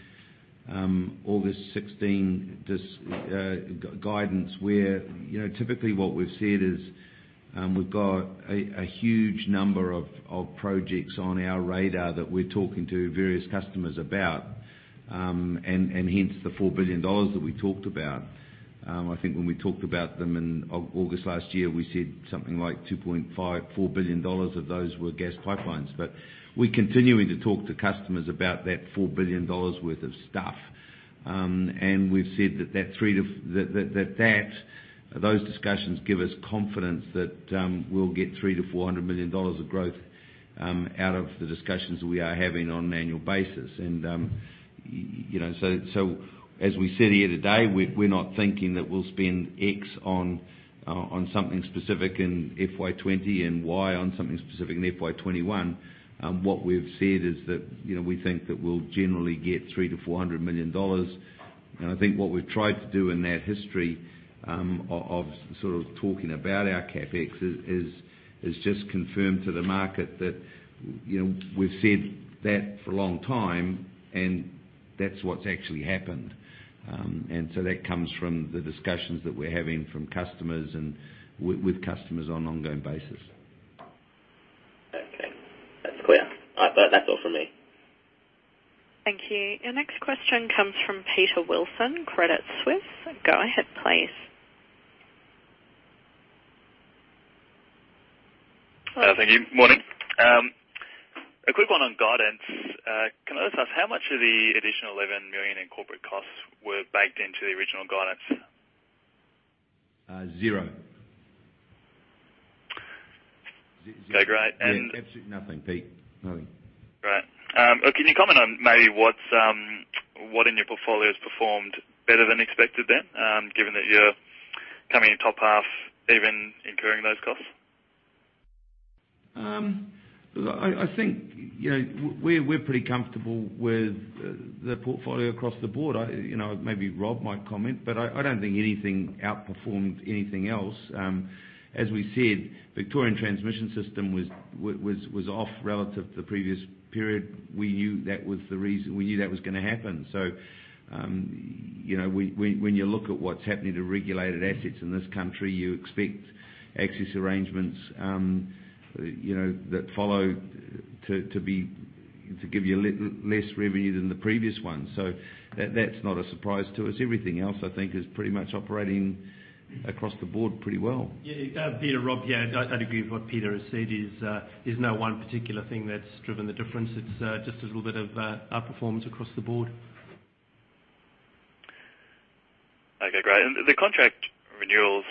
2016 guidance where typically what we've said is we've got a huge number of projects on our radar that we're talking to various customers about, and hence the 4 billion dollars that we talked about. I think when we talked about them in August last year, we said something like 2.5 billion dollars, AUD 4 billion of those were gas pipelines. We're continuing to talk to customers about that 4 billion dollars worth of stuff. We've said that those discussions give us confidence that we'll get 300 million to 400 million dollars of growth out of the discussions we are having on an annual basis. As we said here today, we're not thinking that we'll spend X on something specific in FY 2020 and Y on something specific in FY 2021. What we've said is that, we think that we'll generally get 300 million-400 million dollars. I think what we've tried to do in that history, of sort of talking about our CapEx, is just confirm to the market that we've said that for a long time, and that's what's actually happened. That comes from the discussions that we're having with customers on an ongoing basis. Okay. That's clear. All right, that's all from me. Thank you. Your next question comes from Peter Wilson, Credit Suisse. Go ahead, please. Thank you. Morning. A quick one on guidance. Can I just ask how much of the additional 11 million in corporate costs were baked into the original guidance? Zero. Okay, great. Absolutely nothing, Pete. Nothing. Great. Can you comment on maybe what in your portfolio has performed better than expected, given that you're coming into top half even incurring those costs? I think, we're pretty comfortable with the portfolio across the board. Maybe Rob might comment, but I don't think anything outperformed anything else. As we said, Victorian Transmission System was off relative to the previous period. We knew that was going to happen. When you look at what's happening to regulated assets in this country, you expect access arrangements that follow to give you less revenue than the previous one. That's not a surprise to us. Everything else I think is pretty much operating across the board pretty well. Peter, Rob here. I'd agree with what Peter has said, there's no one particular thing that's driven the difference. It's just a little bit of outperformance across the board. Okay, great. The contract renewals,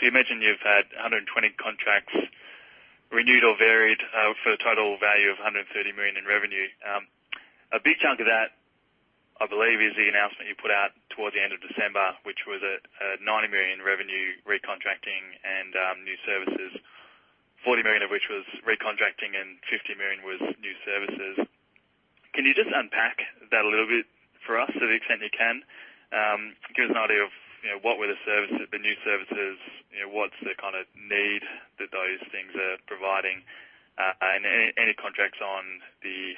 you mentioned you've had 120 contracts renewed or varied for a total value of 130 million in revenue. A big chunk of that, I believe, is the announcement you put out towards the end of December, which was a 90 million revenue recontracting and new services, 40 million of which was recontracting and 50 million was new services. Can you just unpack that a little bit for us to the extent you can? Give us an idea of what were the new services, what's the kind of need that those things are providing, and any contracts on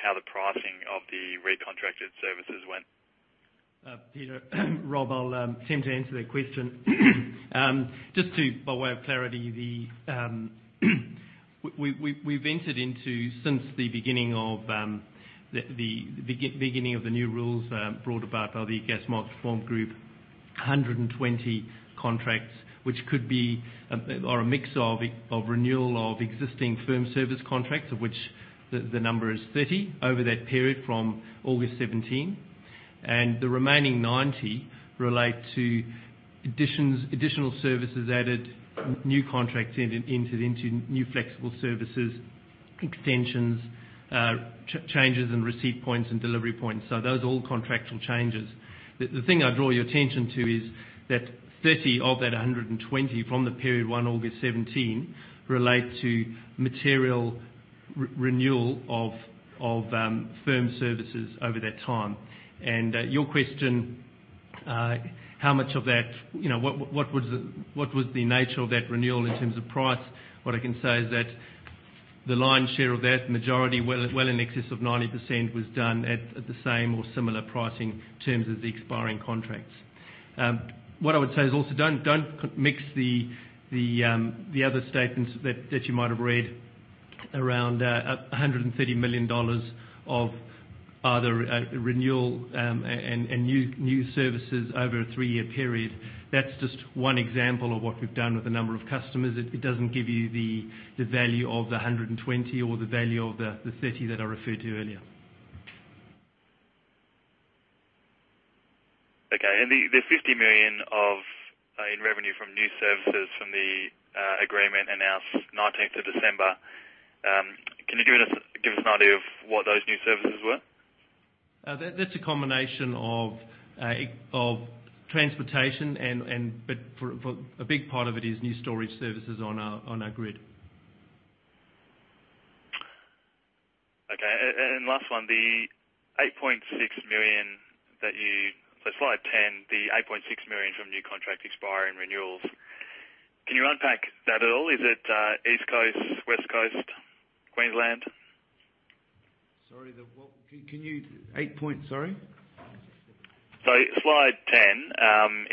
how the pricing of the recontracted services went? Peter, Rob, I'll attempt to answer that question. Just by way of clarity, we've entered into, since the beginning of the new rules brought about by the Gas Market Reform Group, 120 contracts, which could be a mix of renewal of existing firm service contracts, of which the number is 30 over that period from August 2017. The remaining 90 relate to additional services added, new contracts entered into, new flexible services, extensions, changes in receipt points and delivery points. Those are all contractual changes. The thing I'd draw your attention to is that 30 of that 120 from the period 1 August 2017 relate to material renewal of firm services over that time. Your question, what was the nature of that renewal in terms of price? What I can say is that the lion's share of that majority, well in excess of 90%, was done at the same or similar pricing terms as the expiring contracts. What I would say is also, don't mix the other statements that you might have read around 130 million dollars of other renewal and new services over a three-year period. That's just one example of what we've done with a number of customers. It doesn't give you the value of the 120 or the value of the 30 that I referred to earlier. Okay. The 50 million in revenue from new services from the agreement announced December 19th, can you give us an idea of what those new services were? That's a combination of transportation, but a big part of it is new storage services on our grid. Okay. Last one, slide 10, the 8.6 million from new contract expiry and renewals. Can you unpack that at all? Is it East Coast, West Coast, Queensland? Sorry, the what? Can you Eight point sorry? slide 10,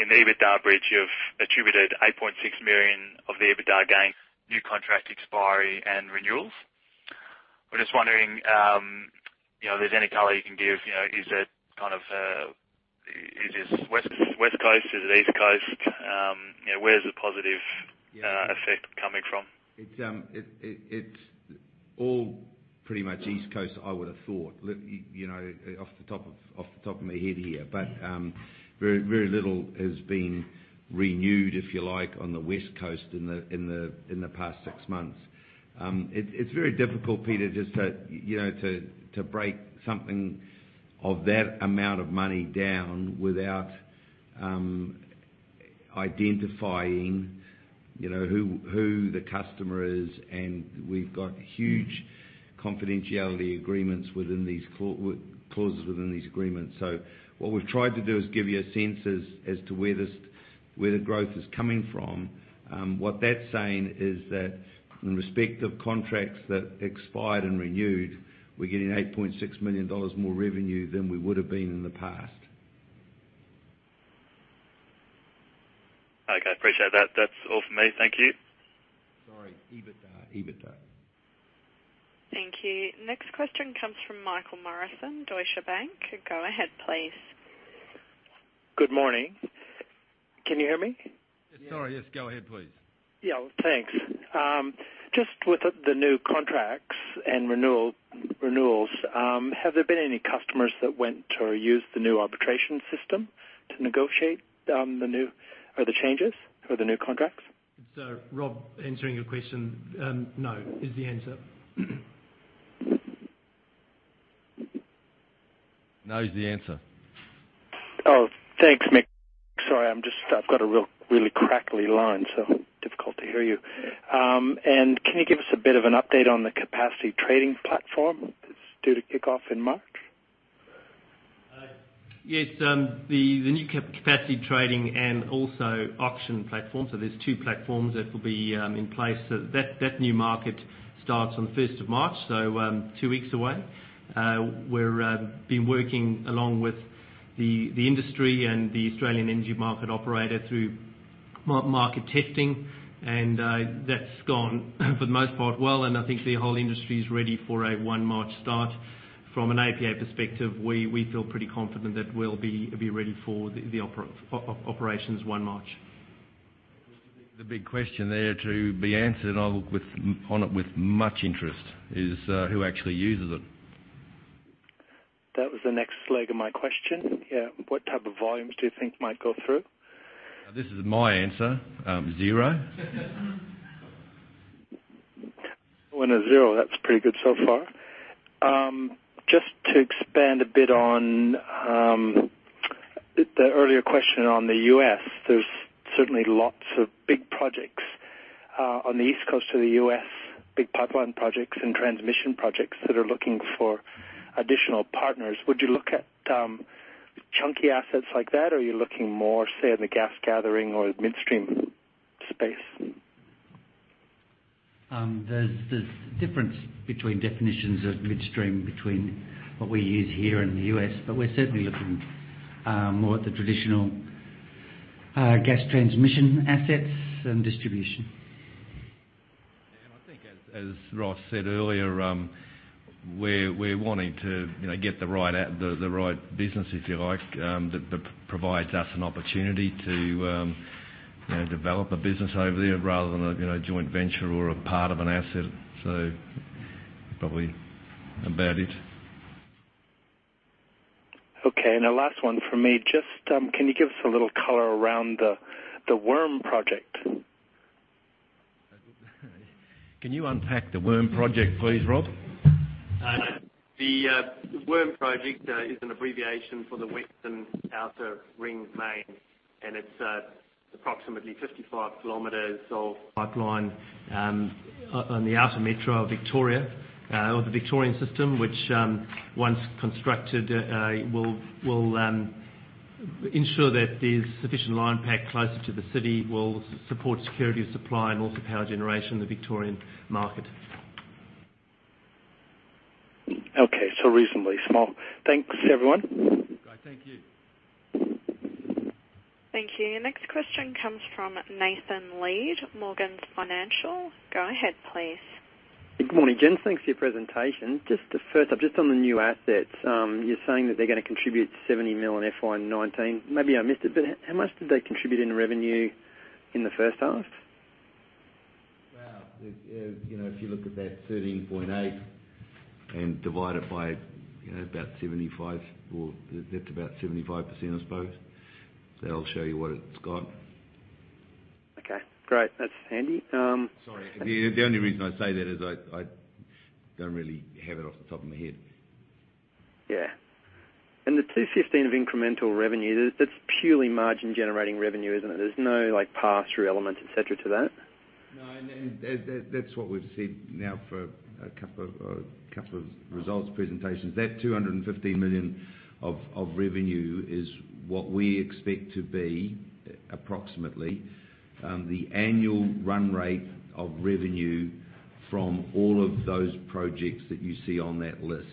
in the EBITDA bridge, you've attributed 8.6 million of the EBITDA gain, new contract expiry and renewals. We're just wondering if there's any color you can give. Is this West Coast? Is it East Coast? Where's the positive effect coming from? It's all pretty much East Coast, I would've thought, off the top of my head here. Very little has been renewed, if you like, on the West Coast in the past six months. It's very difficult, Peter, just to break something of that amount of money down without identifying who the customer is, we've got huge confidentiality clauses within these agreements. What we've tried to do is give you a sense as to where the growth is coming from. What that's saying is that in respect of contracts that expired and renewed, we're getting 8.6 million dollars more revenue than we would have been in the past. Okay, appreciate that. That's all from me. Thank you. Sorry, EBITDA. Thank you. Next question comes from Michael Morrison, Deutsche Bank. Go ahead, please. Good morning. Can you hear me? Sorry, yes, go ahead, please. Yeah, thanks. Just with the new contracts and renewals, have there been any customers that went or used the new arbitration system to negotiate the new, or the changes for the new contracts? Rob, answering your question, no is the answer. No is the answer. Thanks, Mick. Sorry, I've got a really crackly line, so difficult to hear you. Can you give us a bit of an update on the capacity trading platform that's due to kick-off in March? The new capacity trading and also auction platform. There's two platforms that will be in place. That new market starts on the 1st of March, so two weeks away. We've been working along with the industry and the Australian Energy Market Operator through market testing, and that's gone for the most part well, and I think the whole industry is ready for a 1 March start. From an APA perspective, we feel pretty confident that we'll be ready for the operations, 1 March. The big question there to be answered, and I look on it with much interest, is who actually uses it? That was the next leg of my question. Yeah. What type of volumes do you think might go through? This is my answer. Zero. One and zero. That's pretty good so far. Just to expand a bit on the earlier question on the U.S., there's certainly lots of big projects on the East Coast of the U.S., big pipeline projects and transmission projects that are looking for additional partners. Would you look at chunky assets like that, or are you looking more, say, in the gas gathering or midstream space? There's difference between definitions of midstream between what we use here and the U.S., we're certainly looking more at the traditional gas transmission assets and distribution. I think as Ross said earlier, we're wanting to get the right business, if you like, that provides us an opportunity to develop a business over there rather than a joint venture or a part of an asset. Probably about it. Okay, a last one from me. Just can you give us a little color around the WORM project? Can you unpack the WORM project, please, Rob? The WORM project is an abbreviation for the Western Outer Ring Main, and it's approximately 55 km of pipeline on the outer metro of Victoria, of the Victorian System, which once constructed, will ensure that there's sufficient line pack closer to the city, will support security of supply and also power generation in the Victorian market. Okay. Reasonably small. Thanks, everyone. All right, thank you. Thank you. Next question comes from Nathan Lead, Morgans Financial. Go ahead, please. Good morning, gents. Thanks for your presentation. Just first up, on the new assets. You're saying that they're gonna contribute 70 million in FY 2019. Maybe I missed it, but how much did they contribute in revenue in the first half? If you look at that 13.8 and divide it by about 75, or that's about 75%, I suppose. That'll show you what it's got. Okay, great. That's handy. Sorry. The only reason I say that is I don't really have it off the top of my head. Yeah. The 215 of incremental revenue, that's purely margin-generating revenue, isn't it? There's no pass-through element, et cetera, to that? No, that's what we've said now for a couple of results presentations. That 215 million of revenue is what we expect to be, approximately, the annual run rate of revenue from all of those projects that you see on that list.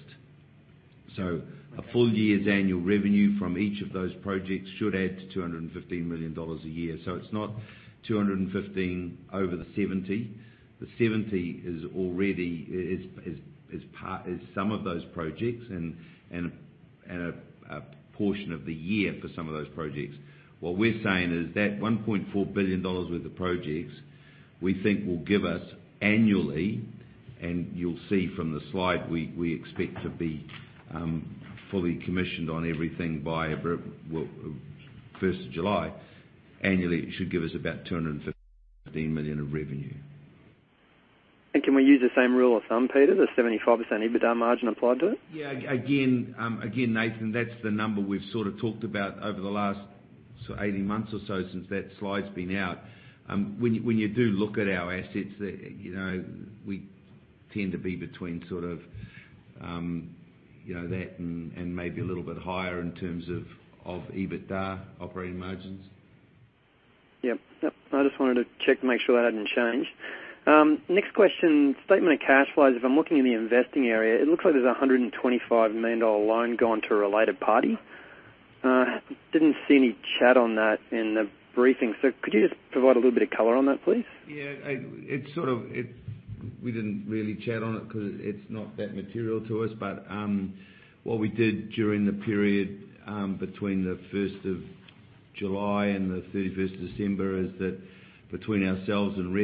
A full year's annual revenue from each of those projects should add to 215 million dollars a year. It's not 215 over the 70. The 70 is some of those projects and a portion of the year for some of those projects. What we're saying is that 1.4 billion dollars worth of projects we think will give us annually, and you'll see from the slide, we expect to be fully commissioned on everything by 1st of July. Annually, it should give us about 215 million of revenue. Can we use the same rule of thumb, Peter, the 75% EBITDA margin applied to it? Yeah. Again, Nathan, that's the number we've sort of talked about over the last 18 months or so since that slide's been out. When you do look at our assets, we tend to be between that and maybe a little bit higher in terms of EBITDA operating margins. Yep. I just wanted to check to make sure that hadn't changed. Next question. Statement of cash flows. If I'm looking in the investing area, it looks like there's an 125 million dollar loan gone to a related party. Didn't see any chat on that in the briefing. Could you just provide a little bit of color on that, please? Yeah. We didn't really chat on it because it's not that material to us. What we did during the period between the 1st of July and the 31st of December is that between ourselves and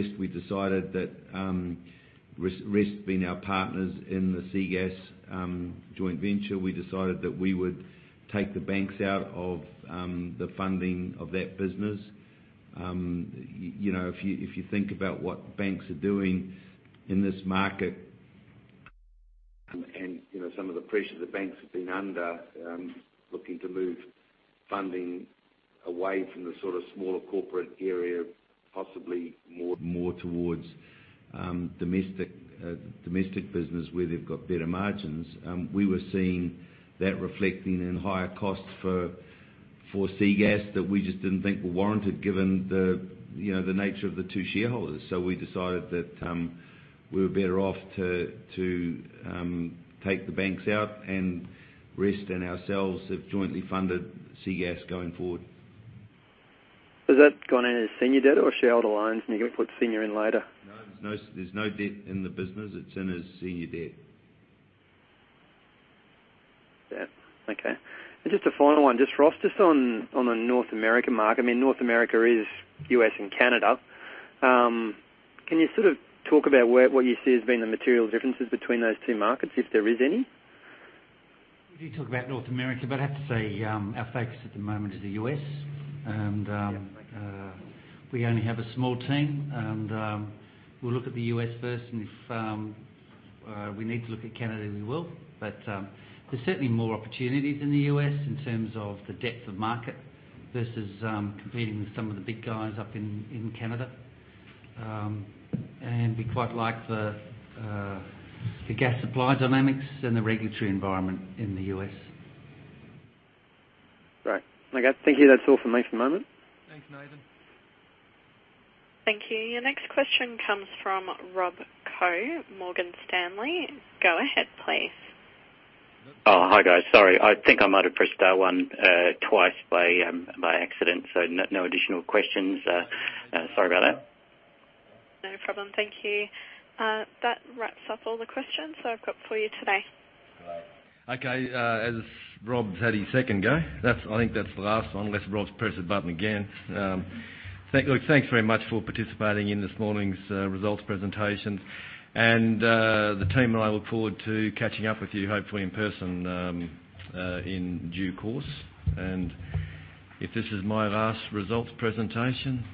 Rest being our partners in the SEA Gas joint venture, we decided that we would take the banks out of the funding of that business. If you think about what banks are doing in this market and some of the pressure the banks have been under, looking to move funding away from the sort of smaller corporate area, possibly more towards domestic business where they've got better margins. We were seeing that reflecting in higher costs for SEA Gas that we just didn't think were warranted given the nature of the two shareholders. We decided that we were better off to take the banks out and Rest and ourselves have jointly funded SEA Gas going forward. Has that gone into senior debt or shareholder loans and you're going to put senior in later? No, there's no debt in the business. It's in as senior debt. Yeah. Okay. Just a final one. Just Ross, just on the North America market. North America is U.S. and Canada. Can you sort of talk about what you see has been the material differences between those two markets, if there is any? We do talk about North America, I have to say our focus at the moment is the U.S. Yep. We only have a small team, and we'll look at the U.S. first and if we need to look at Canada, we will. There's certainly more opportunities in the U.S. in terms of the depth of market versus competing with some of the big guys up in Canada. We quite like the gas supply dynamics and the regulatory environment in the U.S. Great. Okay, thank you. That's all for me for the moment. Thanks, Nathan. Thank you. Your next question comes from Rob Koh, Morgan Stanley. Go ahead, please. Hi, guys. Sorry. I think I might have pressed star one twice by accident. No additional questions. Sorry about that. No problem. Thank you. That wraps up all the questions that I've got for you today. Great. Okay. As Rob had his second go, I think that's the last one, unless Rob's pressed the button again. Look, thanks very much for participating in this morning's results presentation. The team and I look forward to catching up with you, hopefully in person, in due course. If this is my last results presentation,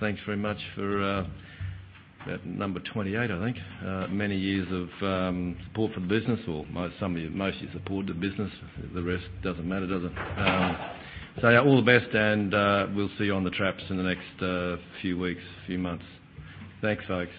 thanks very much for, number 28, I think, many years of support for the business, or some of you mostly support the business. The rest, doesn't matter, does it? Yeah, all the best, and we'll see you on the traps in the next few weeks, few months. Thanks, folks.